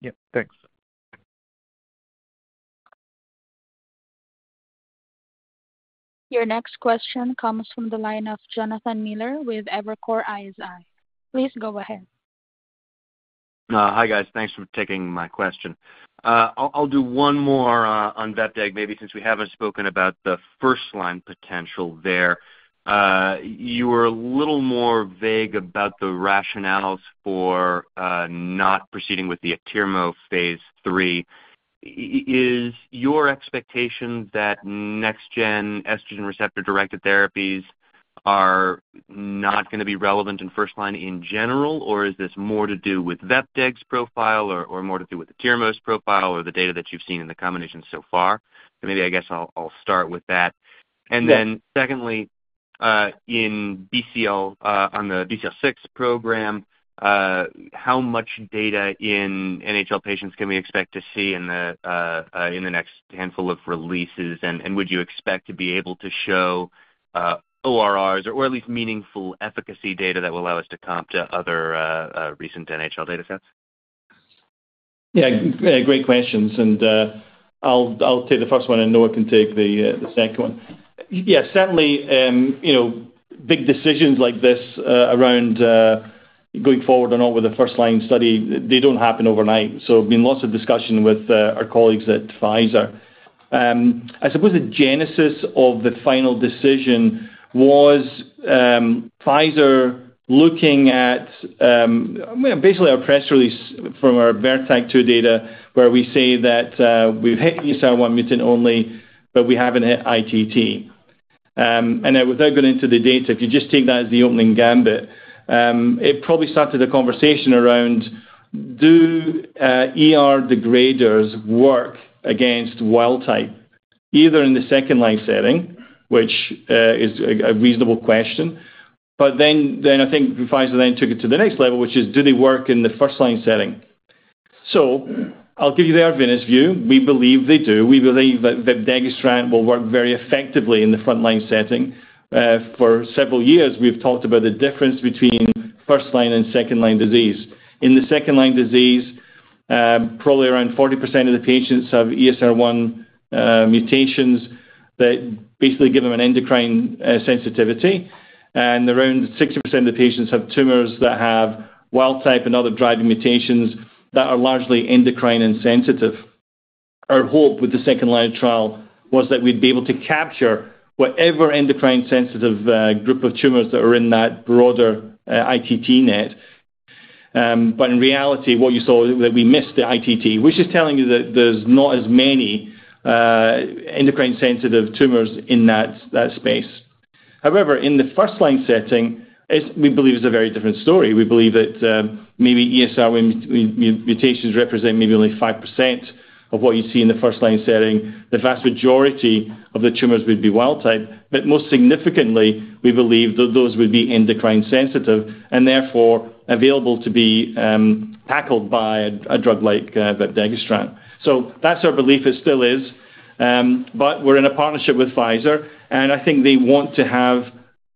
Yep. Thanks. Your next question comes from the line of Jonathan Miller with Evercore ISI. Please go ahead. Hi, guys. Thanks for taking my question. I'll do one more on vepdegestrant, maybe since we haven't spoken about the first-line potential there. You were a little more vague about the rationales for not proceeding with the atirmo phase III. Is your expectation that next-gen estrogen receptor-directed therapies are not going to be relevant in first-line in general, or is this more to do with vepdegestrant's profile, or more to do with atirmo's profile, or the data that you've seen in the combination so far? Maybe I guess I'll start with that. Then secondly, on the BCL6 program, how much data in NHL patients can we expect to see in the next handful of releases, and would you expect to be able to show ORRs or at least meaningful efficacy data that will allow us to comp to other recent NHL datasets? Yeah. Great questions. I'll take the first one, and Noah can take the second one. Certainly, big decisions like this around going forward or not with a first-line study, they don't happen overnight. I've been in lots of discussion with our colleagues at Pfizer. I suppose the genesis of the final decision was Pfizer looking at basically our press release from our VERITAC-2 data, where we say that we've hit ESR1 mutant only, but we haven't hit ITT. Now, without going into the data, if you just take that as the opening gambit, it probably started a conversation around, do degraders work against wild type, either in the second-line setting, which is a reasonable question. I think Pfizer then took it to the next level, which is, do they work in the first-line setting? I'll give you their view. We believe they do. We believe that vepdegestrant will work very effectively in the front-line setting. For several years, we've talked about the difference between first-line and second-line disease. In the second-line disease, probably around 40% of the patients have ESR1 mutations that basically give them an endocrine sensitivity. And around 60% of the patients have tumors that have wild type and other driving mutations that are largely endocrine insensitive. Our hope with the second-line trial was that we'd be able to capture whatever endocrine-sensitive group of tumors that are in that broader ITT net. In reality, what you saw is that we missed the ITT, which is telling you that there's not as many endocrine-sensitive tumors in that space. However, in the first-line setting, we believe it's a very different story. We believe that maybe ESR1 mutations represent maybe only 5% of what you see in the first-line setting. The vast majority of the tumors would be wild type. Most significantly, we believe that those would be endocrine-sensitive and therefore available to be tackled by a drug like vepdegestrant or Orserdu. That's our belief. It still is. We're in a partnership with Pfizer. I think they want to have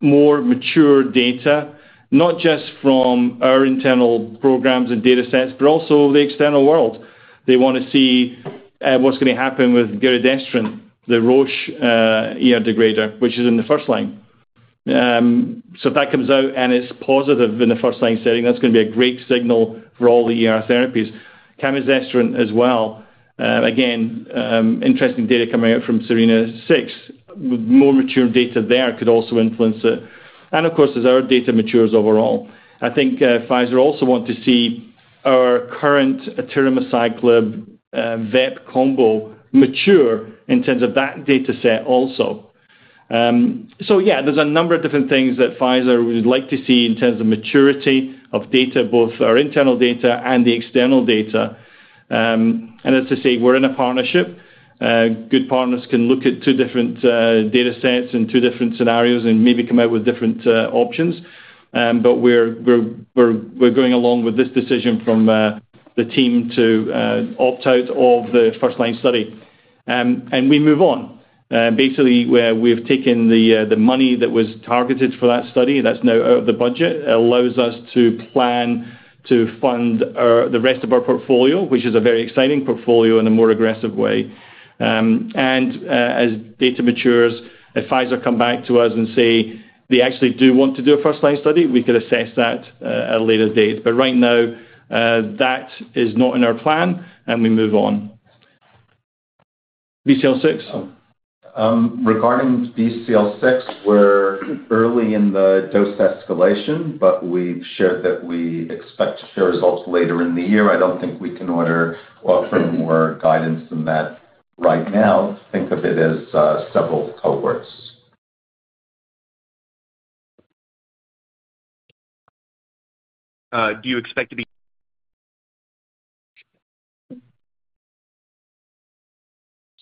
more mature data, not just from our internal programs and datasets, but also the external world. They want to see what's going to happen with Giredestrant, the Roche degrader, which is in the first line. If that comes out and it's positive in the first-line setting, that's going to be a great signal for all the therapies. Camizestrant, as well. Again, interesting data coming out from SERENA-6. More mature data there could also influence it. Of course, as our data matures overall, I think Pfizer also wants to see our current atirmociclib vep combo mature in terms of that dataset also. There are a number of different things that Pfizer would like to see in terms of maturity of data, both our internal data and the external data. As I say, we're in a partnership. Good partners can look at two different datasets and two different scenarios and maybe come out with different options. We are going along with this decision from the team to opt out of the first-line study. We move on. Basically, we've taken the money that was targeted for that study that's now out of the budget. It allows us to plan to fund the rest of our portfolio, which is a very exciting portfolio in a more aggressive way. As data matures, if Pfizer comes back to us and says, "They actually do want to do a first-line study," we could assess that at a later date. Right now, that is not in our plan, and we move on. BCL6. Regarding BCL6, we're early in the dose escalation, but we've shared that we expect to share results later in the year. I don't think we can offer more guidance than that right now. Think of it as several cohorts. Do you expect to be?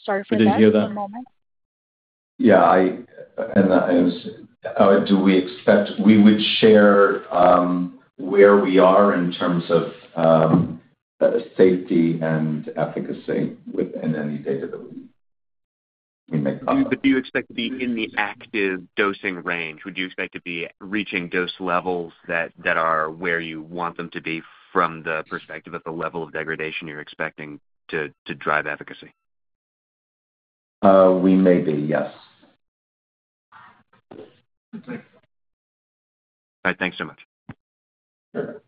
Sorry for the— Did you hear that? —moment. Yeah. Do we expect we would share where we are in terms of safety and efficacy within any data that we may come up with? Do you expect to be in the active dosing range? Would you expect to be reaching dose levels that are where you want them to be from the perspective of the level of degradation you're expecting to drive efficacy? We may be. Yes. All right. Thanks so much. Sure.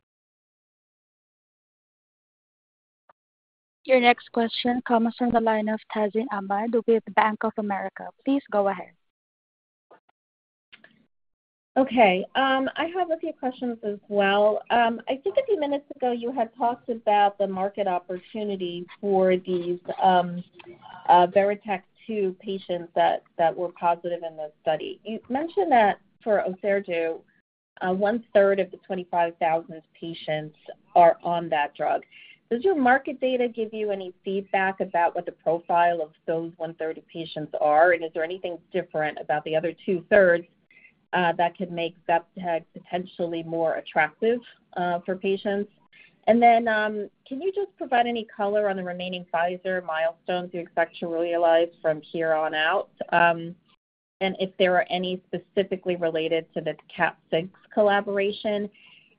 Your next question comes from the line of Tazeen Ahmad with Bank of America. Please go ahead. Okay. I have a few questions as well. I think a few minutes ago, you had talked about the market opportunity for these VERITAC-2 patients that were positive in this study. You mentioned that for Orserdu, one-third of the 25,000 patients are on that drug. Does your market data give you any feedback about what the profile of those one-third of patients are? Is there anything different about the other two-thirds that could make vepdegestrant potentially more attractive for patients? Can you just provide any color on the remaining Pfizer milestones you expect to realize from here on out? Are there any specifically related to the KAT6 collaboration?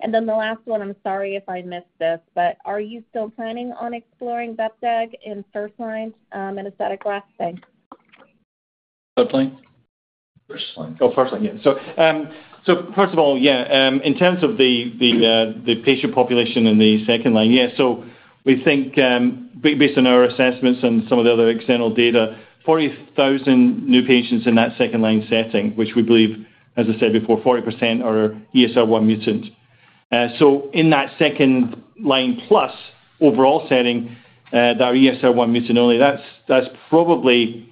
The last one, I'm sorry if I missed this, but are you still planning on exploring vepdegestrant in first-line metastatic breast? Thanks. First-line? First-line. Oh, first-line. Yeah. First of all, yeah, in terms of the patient population in the second-line, yeah, we think based on our assessments and some of the other external data, 40,000 new patients in that second-line setting, which we believe, as I said before, 40% are ESR1 mutant. In that second-line plus overall setting, that are ESR1 mutant only, that's probably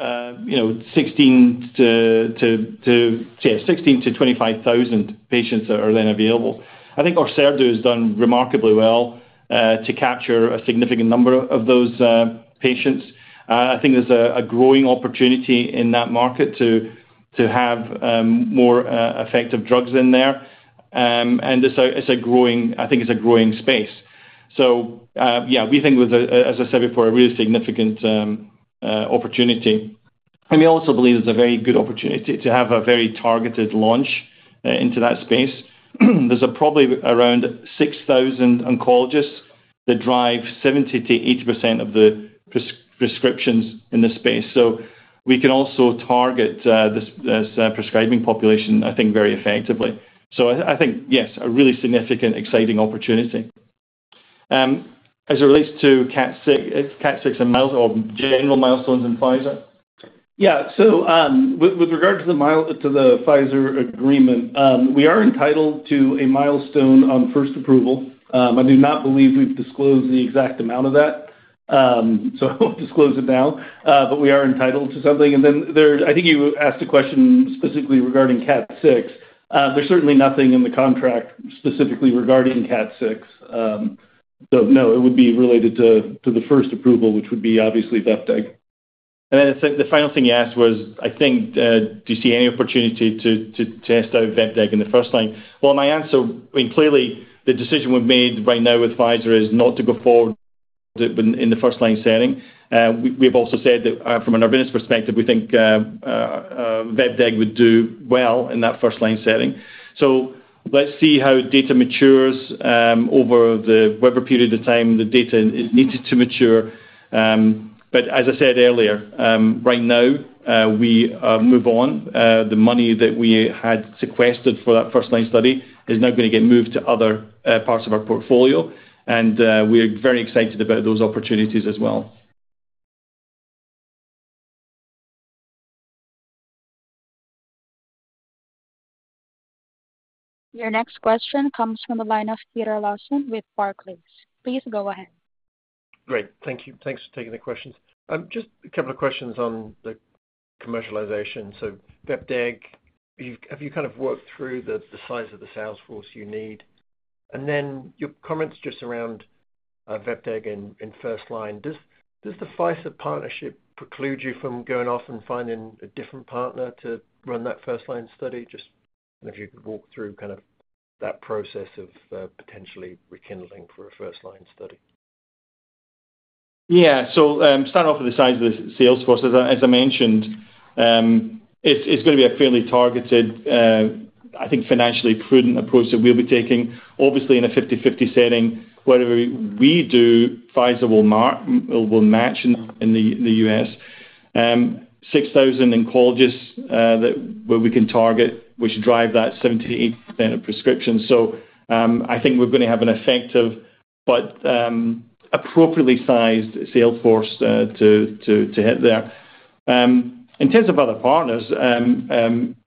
16,000-25,000 patients that are then available. I think Orserdu has done remarkably well to capture a significant number of those patients. I think there's a growing opportunity in that market to have more effective drugs in there. I think it's a growing space. Yeah, we think, as I said before, a really significant opportunity. We also believe there's a very good opportunity to have a very targeted launch into that space. There's probably around 6,000 oncologists that drive 70%-80% of the prescriptions in this space. We can also target this prescribing population, I think, very effectively. I think, yes, a really significant, exciting opportunity. As it relates to KAT6 and general milestones in Pfizer? Yeah. With regard to the Pfizer agreement, we are entitled to a milestone on first approval. I do not believe we've disclosed the exact amount of that. I won't disclose it now. We are entitled to something. I think you asked a question specifically regarding KAT6. There's certainly nothing in the contract specifically regarding KAT6. No, it would be related to the first approval, which would be obviously vepdegestrant. The final thing you asked was, I think, do you see any opportunity to test out vepdegestrant in the first-line? My answer, I mean, clearly, the decision we've made right now with Pfizer is not to go forward in the first-line setting. We've also said that from an Arvinas perspective, we think vepdegestrant would do well in that first-line setting. Let's see how data matures over the whatever period of time the data needs to mature. As I said earlier, right now, we move on. The money that we had sequestered for that first-line study is now going to get moved to other parts of our portfolio. We are very excited about those opportunities as well. Your next question comes from the line of Peter Lawson with Barclays. Please go ahead. Great. Thank you. Thanks for taking the questions. Just a couple of questions on the commercialization. Vepdegestrant, have you kind of worked through the size of the salesforce you need? Your comments just around vepdegestrant in first-line, does the Pfizer partnership preclude you from going off and finding a different partner to run that first-line study? If you could walk through kind of that process of potentially rekindling for a first-line study. Yeah. Starting off with the size of the salesforce, as I mentioned, it's going to be a fairly targeted, I think, financially prudent approach that we'll be taking. Obviously, in a 50/50 setting, whatever we do, Pfizer will match in the U.S. Six thousand oncologists where we can target, which drive that 70%-80% of prescriptions. I think we're going to have an effective but appropriately sized salesforce to hit there. In terms of other partners,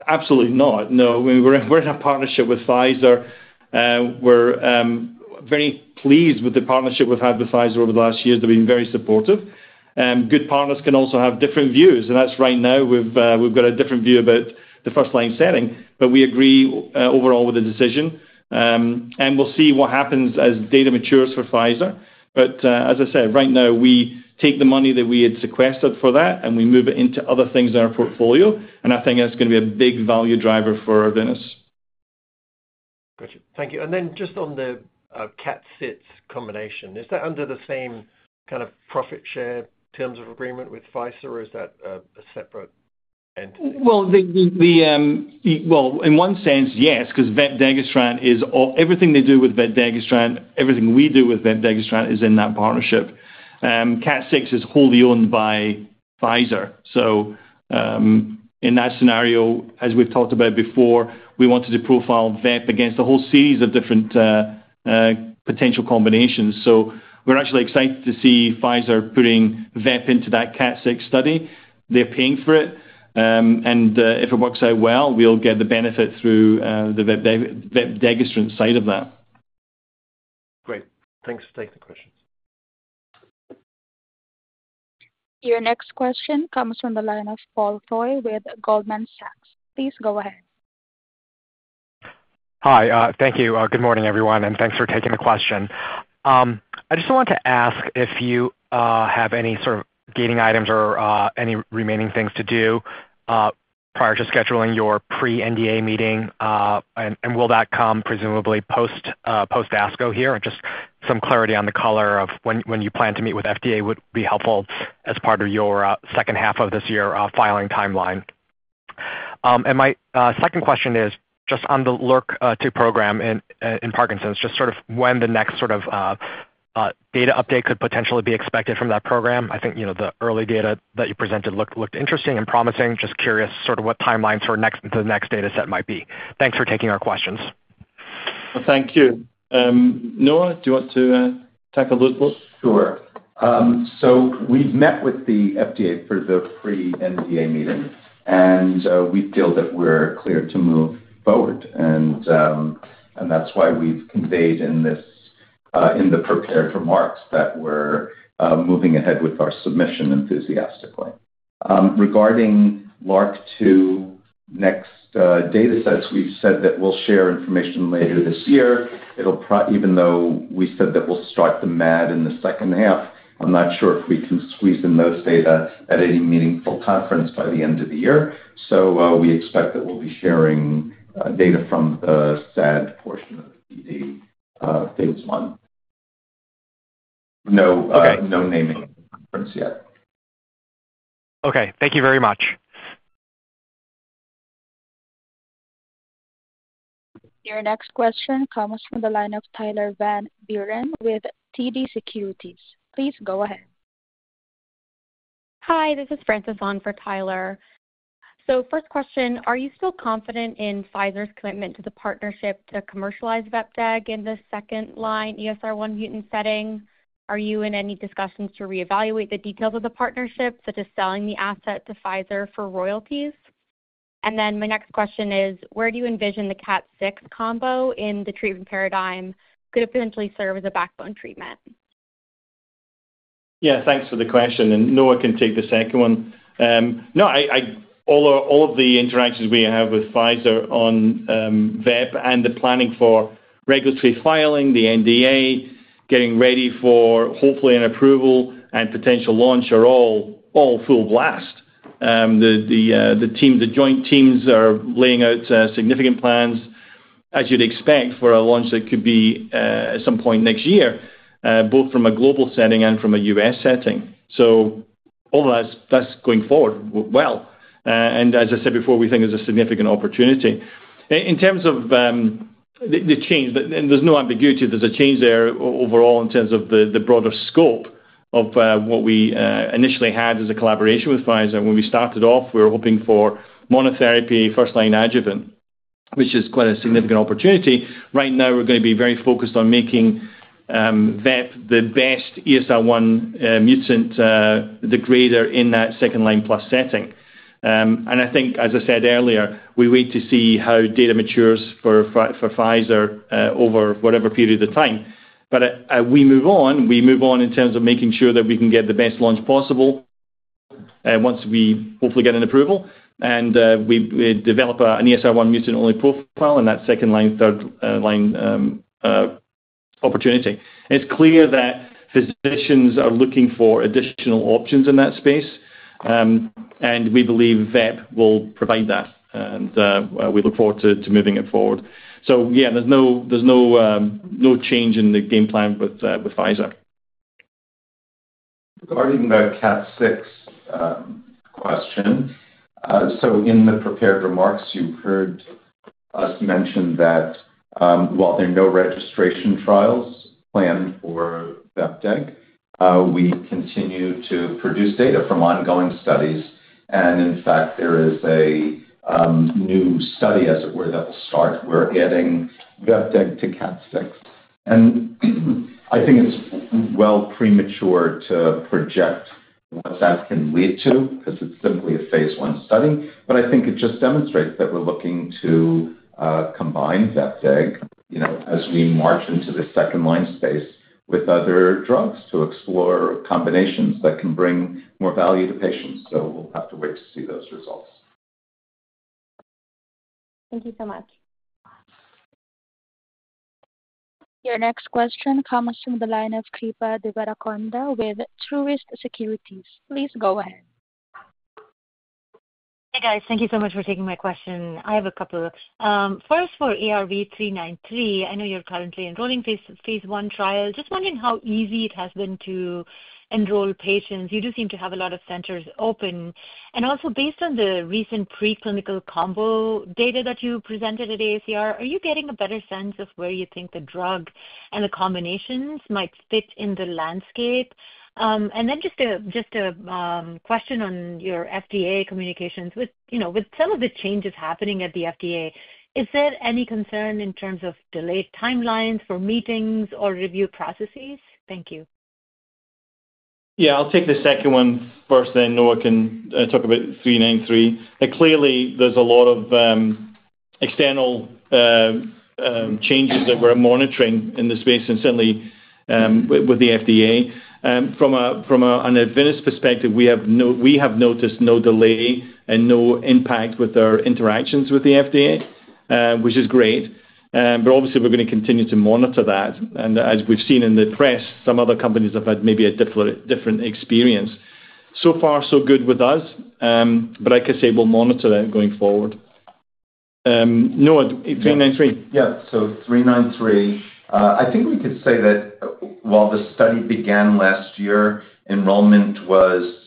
absolutely not. No. We're in a partnership with Pfizer. We're very pleased with the partnership we've had with Pfizer over the last years. They've been very supportive. Good partners can also have different views. That is, right now we've got a different view about the first-line setting. We agree overall with the decision. We'll see what happens as data matures for Pfizer. As I said, right now, we take the money that we had sequestered for that, and we move it into other things in our portfolio. I think that's going to be a big value driver for Arvinas. Gotcha. Thank you. Then just on the KAT6 combination, is that under the same kind of profit share terms of agreement with Pfizer, or is that a separate entity? In one sense, yes, because vepdegestrant is everything they do with vepdegestrant, everything we do with vepdegestrant is in that partnership. KAT6 is wholly owned by Pfizer. In that scenario, as we've talked about before, we wanted to profile vep against a whole series of different potential combinations. We're actually excited to see Pfizer putting vep into that KAT6 study. They're paying for it. If it works out well, we'll get the benefit through the vepdegestrant of that. Great. Thanks for taking the questions. Your next question comes from the line of Paul Choi with Goldman Sachs. Please go ahead. Hi. Thank you. Good morning, everyone. Thanks for taking the question. I just want to ask if you have any sort of gating items or any remaining things to do prior to scheduling your pre-NDA meeting. Will that come presumably post-ASCO here? Just some clarity on the color of when you plan to meet with FDA would be helpful as part of your second half of this year filing timeline. My second question is just on the LRRK2 program in Parkinson's, just sort of when the next sort of data update could potentially be expected from that program. I think the early data that you presented looked interesting and promising. Just curious sort of what timelines the next dataset might be. Thanks for taking our questions. Thank you. Noah, do you want to take a look? Sure. We have met with the FDA for the pre-NDA meeting. We feel that we are clear to move forward. That is why we have conveyed in the prepared remarks that we are moving ahead with our submission enthusiastically. Regarding LRRK2 next datasets, we have said that we will share information later this year. Even though we said that we'll start the MAD in the second half, I'm not sure if we can squeeze in those data at any meaningful conference by the end of the year. We expect that we'll be sharing data from the SAD portion of the PD phase I. No naming at the conference yet. Okay. Thank you very much. Your next question comes from the line of Tyler Van Buren with TD Securities. Please go ahead. Hi. This is Frances Ong for Tyler. First question, are you still confident in Pfizer's commitment to the partnership to commercialize vepdegestrant in the second-line ESR1 mutant setting? Are you in any discussions to reevaluate the details of the partnership, such as selling the asset to Pfizer for royalties? Then my next question is, where do you envision the KAT6 combo in the treatment paradigm could potentially serve as a backbone treatment? Yeah. Thanks for the question. Noah can take the second one. No, all of the interactions we have with Pfizer on vep and the planning for regulatory filing, the NDA, getting ready for hopefully an approval and potential launch are all full blast. The joint teams are laying out significant plans, as you'd expect, for a launch that could be at some point next year, both from a global setting and from a U.S. setting. All of that's going forward well. As I said before, we think there's a significant opportunity. In terms of the change, there's no ambiguity. There's a change there overall in terms of the broader scope of what we initially had as a collaboration with Pfizer. When we started off, we were hoping for monotherapy first-line adjuvant, which is quite a significant opportunity. Right now, we're going to be very focused on making vep the best ESR1 mutant degrader in that second-line plus setting. I think, as I said earlier, we wait to see how data matures for Pfizer over whatever period of time. We move on. We move on in terms of making sure that we can get the best launch possible once we hopefully get an approval and develop an ESR1 mutant-only profile in that second-line, third-line opportunity. It's clear that physicians are looking for additional options in that space. We believe vep will provide that. We look forward to moving it forward. Yeah, there's no change in the game plan with Pfizer. Regarding the KAT6 question, in the prepared remarks, you've heard us mention that while there are no registration trials planned for vepdegestrant, we continue to produce data from ongoing studies. In fact, there is a new study, as it were, that will start. We're adding vepdegestrant to KAT6. I think it's well premature to project what that can lead to because it's simply a phase I study. I think it just demonstrates that we're looking to combine vepdegestrant as we march into the second-line space with other drugs to explore combinations that can bring more value to patients. We'll have to wait to see those results. Thank you so much. Your next question comes from the line of Kripa Devarakonda with Truist Securities. Please go ahead. Hey, guys. Thank you so much for taking my question. I have a couple of questions. First, for ARV-393, I know you're currently enrolling phase I trial. Just wondering how easy it has been to enroll patients. You do seem to have a lot of centers open. Also, based on the recent preclinical combo data that you presented at ASCO, are you getting a better sense of where you think the drug and the combinations might fit in the landscape? Just a question on your FDA communications. With some of the changes happening at the FDA, is there any concern in terms of delayed timelines for meetings or review processes? Thank you. Yeah. I'll take the second one first, and then Noah can talk about 393. Clearly, there's a lot of external changes that we're monitoring in this space and certainly with the FDA. From an Arvinas perspective, we have noticed no delay and no impact with our interactions with the FDA, which is great. Obviously, we're going to continue to monitor that. As we've seen in the press, some other companies have had maybe a different experience. So far, so good with us. Like I say, we'll monitor that going forward. Noah, 393. Yeah. 393. I think we could say that while the study began last year, enrollment was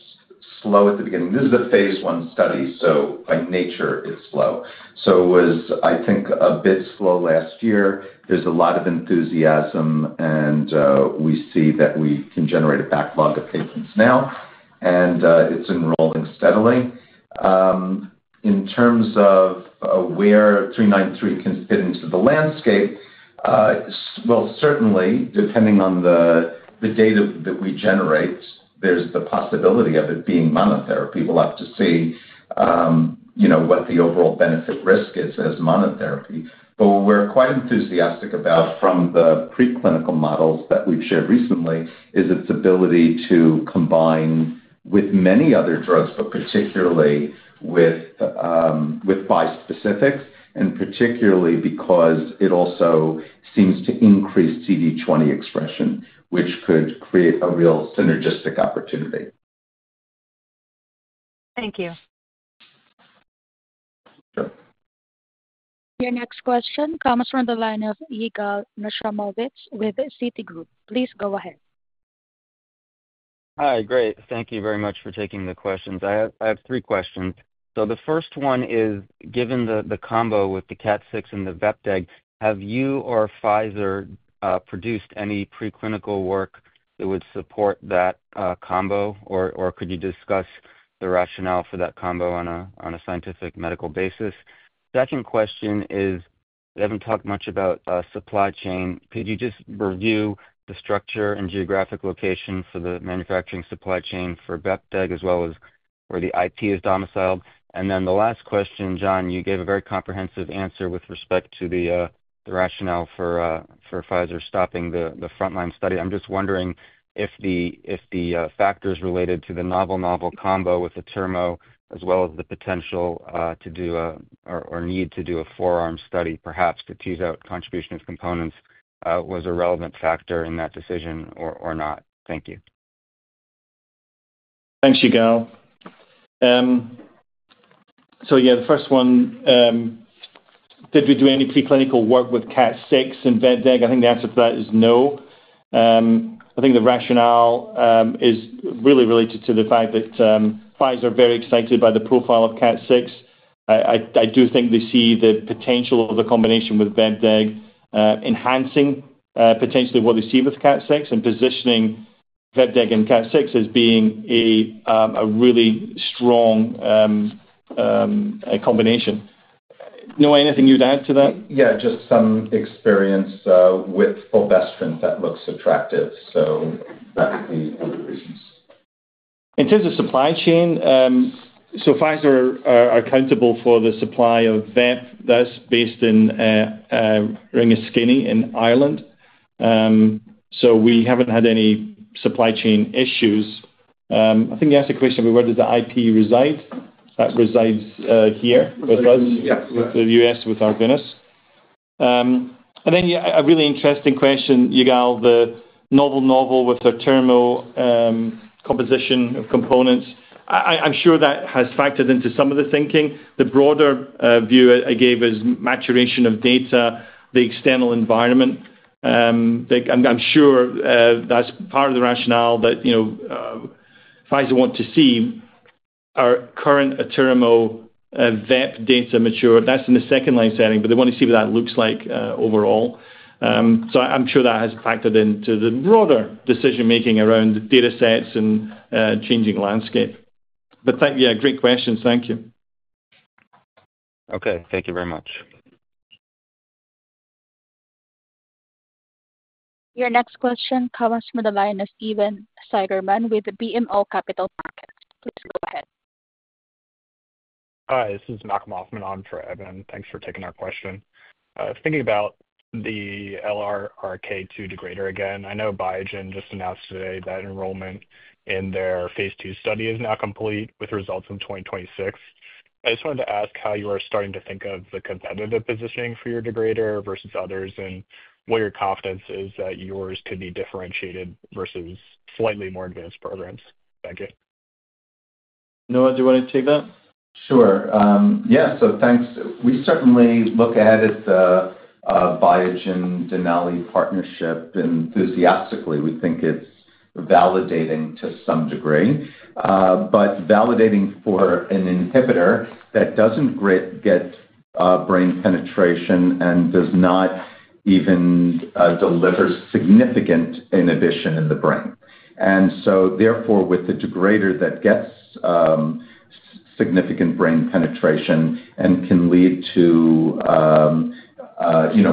slow at the beginning. This is a phase I study. By nature, it's slow. It was, I think, a bit slow last year. There's a lot of enthusiasm. We see that we can generate a backlog of patients now. It's enrolling steadily. In terms of where 393 can fit into the landscape, certainly, depending on the data that we generate, there's the possibility of it being monotherapy. We'll have to see what the overall benefit risk is as monotherapy. What we're quite enthusiastic about from the preclinical models that we've shared recently is its ability to combine with many other drugs, particularly with bispecifics, and particularly because it also seems to increase CD20 expression, which could create a real synergistic opportunity. Thank you. Sure. Your next question comes from the line of Yigal Nochomovitz with Citigroup. Please go ahead. Hi. Great. Thank you very much for taking the questions. I have three questions. The first one is, given the combo with the CDK4/6 and the vepdegestrant, have you or Pfizer produced any preclinical work that would support that combo? Could you discuss the rationale for that combo on a scientific medical basis? Second question is, we haven't talked much about supply chain. Could you just review the structure and geographic location for the manufacturing supply chain for vepdegestrant as well as where the IP is domiciled? The last question, John, you gave a very comprehensive answer with respect to the rationale for Pfizer stopping the front-line study. I'm just wondering if the factors related to the novel, novel combo with the atirmo, as well as the potential to do or need to do a forearm study, perhaps to tease out contribution of components, was a relevant factor in that decision or not? Thank you. Thanks, Igal. The first one, did we do any preclinical work with KAT6 and vepdegestrant? I think the answer to that is no. I think the rationale is really related to the fact that Pfizer is very excited by the profile of KAT6. I do think they see the potential of the combination with vepdegestrant enhancing potentially what they see with KAT6 and positioning vepdegestrant and KAT6 as being a really strong combination. Noah, anything you'd add to that? Yeah. Just some experience with fulvestrant that looks attractive. So that would be one of the reasons. In terms of supply chain, Pfizer is accountable for the supply of vepdegestrant. That's based in Ringaskiddy in Ireland. We haven't had any supply chain issues. I think you asked a question about where does the IP reside. That resides here with us. Yeah. With the U.S., with Arvinas. A really interesting question, Yigal, the novel, novel with the atirmo composition of components. I'm sure that has factored into some of the thinking. The broader view I gave is maturation of data, the external environment. I'm sure that's part of the rationale that Pfizer wants to see our current atirmo vep data mature. That's in the second-line setting. They want to see what that looks like overall. I'm sure that has factored into the broader decision-making around datasets and changing landscape. Yeah, great questions. Thank you. Okay. Thank you very much. Your next question comes from the line of Evan Siderman with BMO Capital Markets. Please go ahead. Hi. This is Malcolm Hoffman on for Evan. Thanks for taking our question. Thinking about the LRRK2 degrader again, I know Biogen just announced today that enrollment in their phase II study is now complete with results in 2026. I just wanted to ask how you are starting to think of the competitive positioning for your degrader versus others and what your confidence is that yours could be differentiated versus slightly more advanced programs. Thank you. Noah, do you want to take that? Sure. Yeah. So thanks. We certainly look ahead at the Biogen-Denali partnership enthusiastically. We think it's validating to some degree. Validating for an inhibitor that doesn't get brain penetration and does not even deliver significant inhibition in the brain. Therefore, with the degrader that gets significant brain penetration and can lead to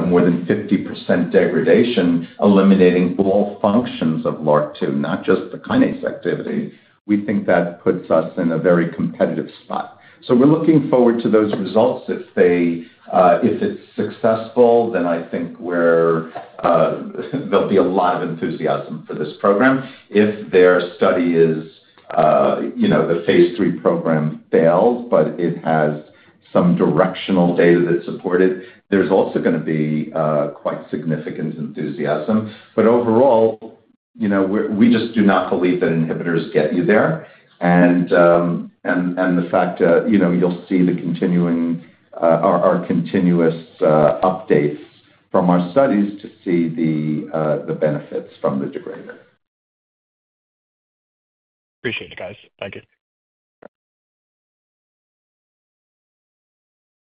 more than 50% degradation, eliminating all functions of LRRK2, not just the kinase activity, we think that puts us in a very competitive spot. We are looking forward to those results. If it's successful, then I think there'll be a lot of enthusiasm for this program. If their study is the phase III program fails, but it has some directional data that support it, there's also going to be quite significant enthusiasm. Overall, we just do not believe that inhibitors get you there. The fact that you'll see our continuous updates from our studies to see the benefits from the degrader. Appreciate it, guys. Thank you.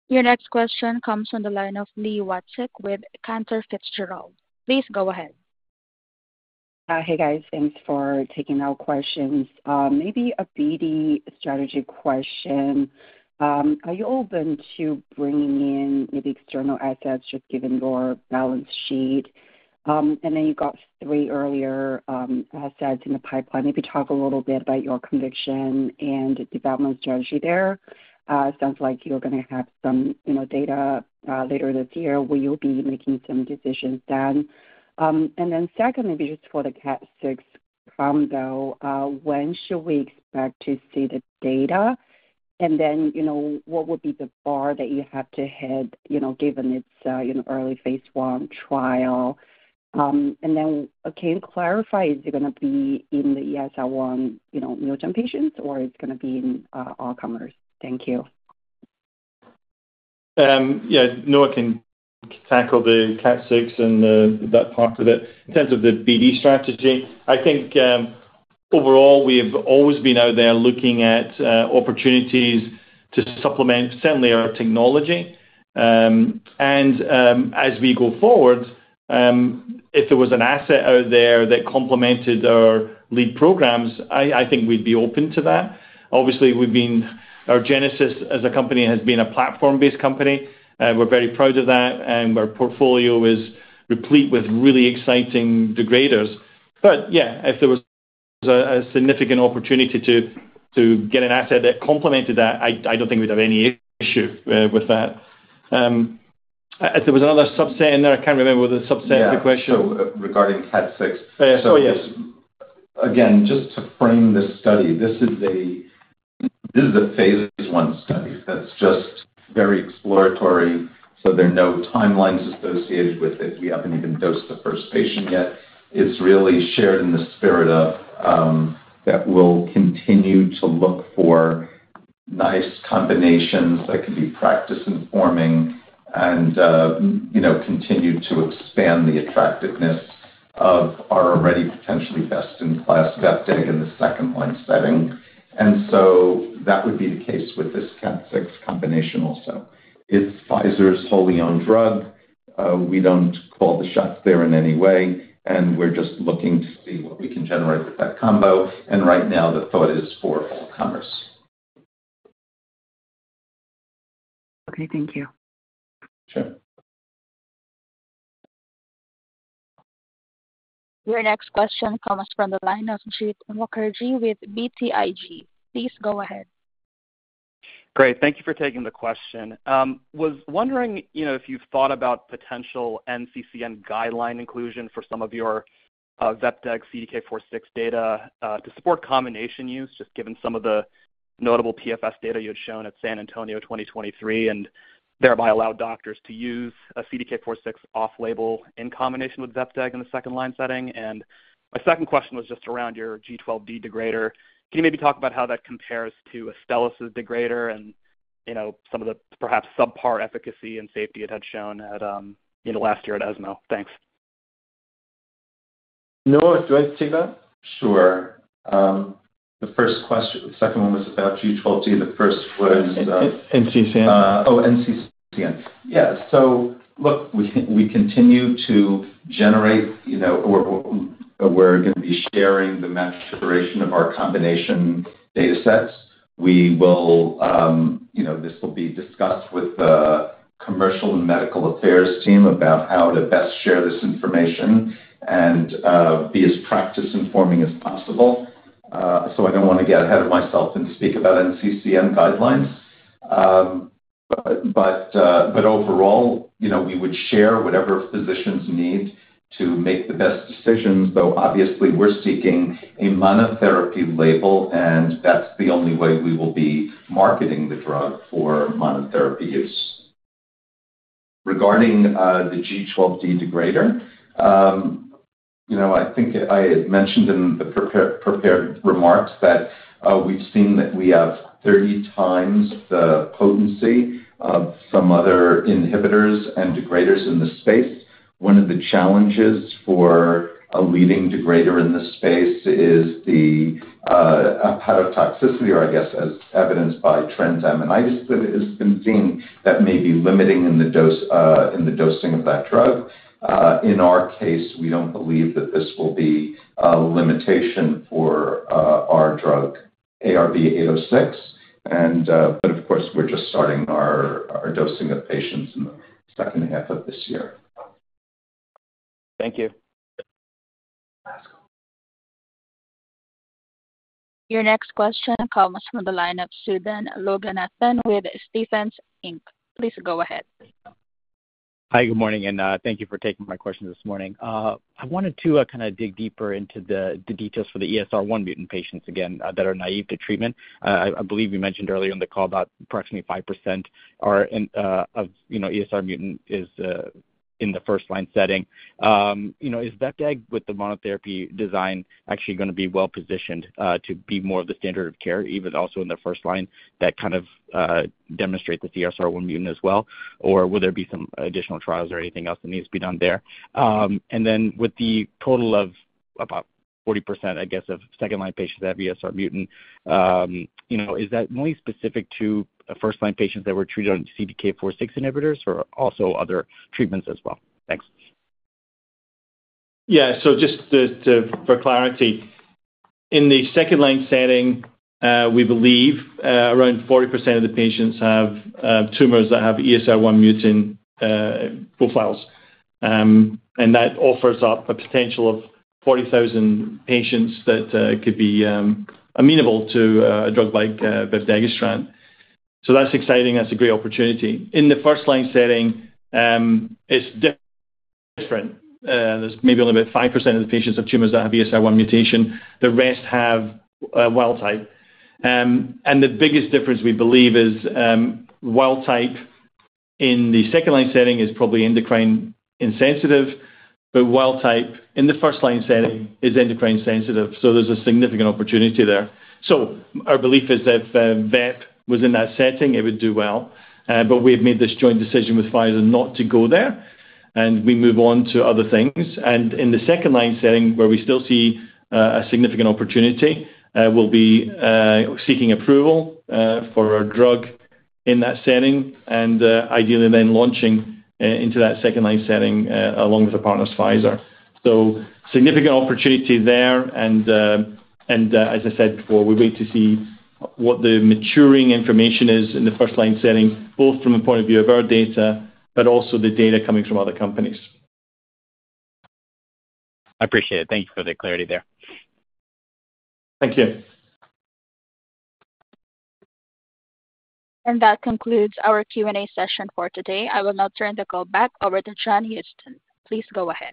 Your next question comes from the line of Li Watsek with Cantor Fitzgerald. Please go ahead. Hey, guys. Thanks for taking our questions. Maybe a BD strategy question. Are you open to bringing in maybe external assets just given your balance sheet? You got three earlier assets in the pipeline. Maybe talk a little bit about your conviction and development strategy there. It sounds like you're going to have some data later this year where you'll be making some decisions then. Then second, maybe just for the KAT6 combo, when should we expect to see the data? What would be the bar that you have to hit given it's an early phase I trial? Can you clarify, is it going to be in the ESR1 mutant patients, or it's going to be in all comers? Thank you. Yeah. Noah can tackle the KAT6 and that part of it. In terms of the BD strategy, I think overall, we have always been out there looking at opportunities to supplement certainly our technology. As we go forward, if there was an asset out there that complemented our lead programs, I think we'd be open to that. Obviously, our genesis as a company has been a platform-based company. We're very proud of that. Our portfolio is replete with really exciting degraders. Yeah, if there was a significant opportunity to get an asset that complemented that, I don't think we'd have any issue with that. If there was another subset in there, I can't remember what the subset of the question was. Yeah. Regarding KAT6, again, just to frame this study, this is a phase I study. That's just very exploratory. There are no timelines associated with it. We haven't even dosed the first patient yet. It's really shared in the spirit of that we'll continue to look for nice combinations that can be practice-informing and continue to expand the attractiveness of our already potentially best-in-class Vepdegestrant in the second-line setting. That would be the case with this KAT6 combination also. It's Pfizer's wholly owned drug. We don't call the shots there in any way. We're just looking to see what we can generate with that combo. Right now, the thought is for all comers. Okay. Thank you. Sure. Your next question comes from the line of Jeet Mukherjee with BTIG. Please go ahead. Great. Thank you for taking the question. Was wondering if you've thought about potential NCCN guideline inclusion for some of your vepdegestrant CDK4/6 data to support combination use, just given some of the notable PFS data you had shown at San Antonio 2023, and thereby allowed doctors to use a CDK4/6 off-label in combination with vepdegestrant in the second-line setting. My second question was just around your G12D degrader. Can you maybe talk about how that compares to Astellas' degrader and some of the perhaps subpar efficacy and safety it had shown last year at ESMO? Thanks. Noah, do you want to take that? Sure. The second one was about G12D. The first was NCCN. Oh, NCCN. Yeah. Look, we continue to generate or we're going to be sharing the maturation of our combination datasets. We will—this will be discussed with the commercial and medical affairs team about how to best share this information and be as practice-informing as possible. I do not want to get ahead of myself and speak about NCCN guidelines. Overall, we would share whatever physicians need to make the best decisions, though obviously, we're seeking a monotherapy label. That is the only way we will be marketing the drug for monotherapy use. Regarding the G12D degrader, I think I had mentioned in the prepared remarks that we've seen that we have 30 times the potency of some other inhibitors and degraders in the space. One of the challenges for a leading degrader in this space is the hepatotoxicity, or I guess, as evidenced by transaminitis that has been seen, that may be limiting in the dosing of that drug. In our case, we do not believe that this will be a limitation for our drug, ARV-806. Of course, we are just starting our dosing of patients in the second half of this year. Thank you. Your next question comes from the line of Sudan Loganathan with Stephens. Please go ahead. Hi. Good morning. Thank you for taking my questions this morning. I wanted to kind of dig deeper into the details for the ESR1 mutant patients again that are naive to treatment. I believe you mentioned earlier in the call about approximately 5% of ESR1 mutant is in the first-line setting. Is vepdegestrant with the monotherapy design actually going to be well-positioned to be more of the standard of care, even also in the first line that kind of demonstrates this ESR1 mutant as well? Or will there be some additional trials or anything else that needs to be done there? With the total of about 40%, I guess, of second-line patients that have ESR1 mutant, is that only specific to first-line patients that were treated on CDK4/6 inhibitors or also other treatments as well? Thanks. Yeah. Just for clarity, in the second-line setting, we believe around 40% of the patients have tumors that have ESR1 mutant profiles. That offers up a potential of 40,000 patients that could be amenable to a drug like vepdegestrant. That's exciting. That's a great opportunity. In the first-line setting, it's different. There's maybe only about 5% of the patients have tumors that have ESR1 mutation. The rest have wild type. The biggest difference we believe is wild type in the second-line setting is probably endocrine insensitive. Wild type in the first-line setting is endocrine sensitive. There's a significant opportunity there. Our belief is that if vep was in that setting, it would do well. We have made this joint decision with Pfizer not to go there. We move on to other things. In the second-line setting, where we still see a significant opportunity, we'll be seeking approval for a drug in that setting and ideally then launching into that second-line setting along with our partners, Pfizer. Significant opportunity there. As I said before, we wait to see what the maturing information is in the first-line setting, both from the point of view of our data, but also the data coming from other companies. I appreciate it. Thank you for the clarity there. Thank you. That concludes our Q&A session for today. I will now turn the call back over to John Houston. Please go ahead.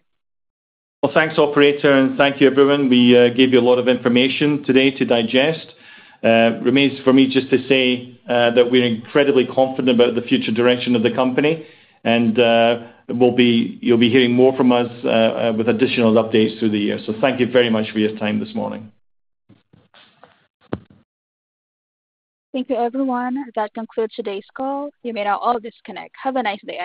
Thank you, operator. Thank you, everyone. We gave you a lot of information today to digest. It remains for me just to say that we're incredibly confident about the future direction of the company. You'll be hearing more from us with additional updates through the year. Thank you very much for your time this morning. Thank you, everyone. That concludes today's call. You may now all disconnect. Have a nice day.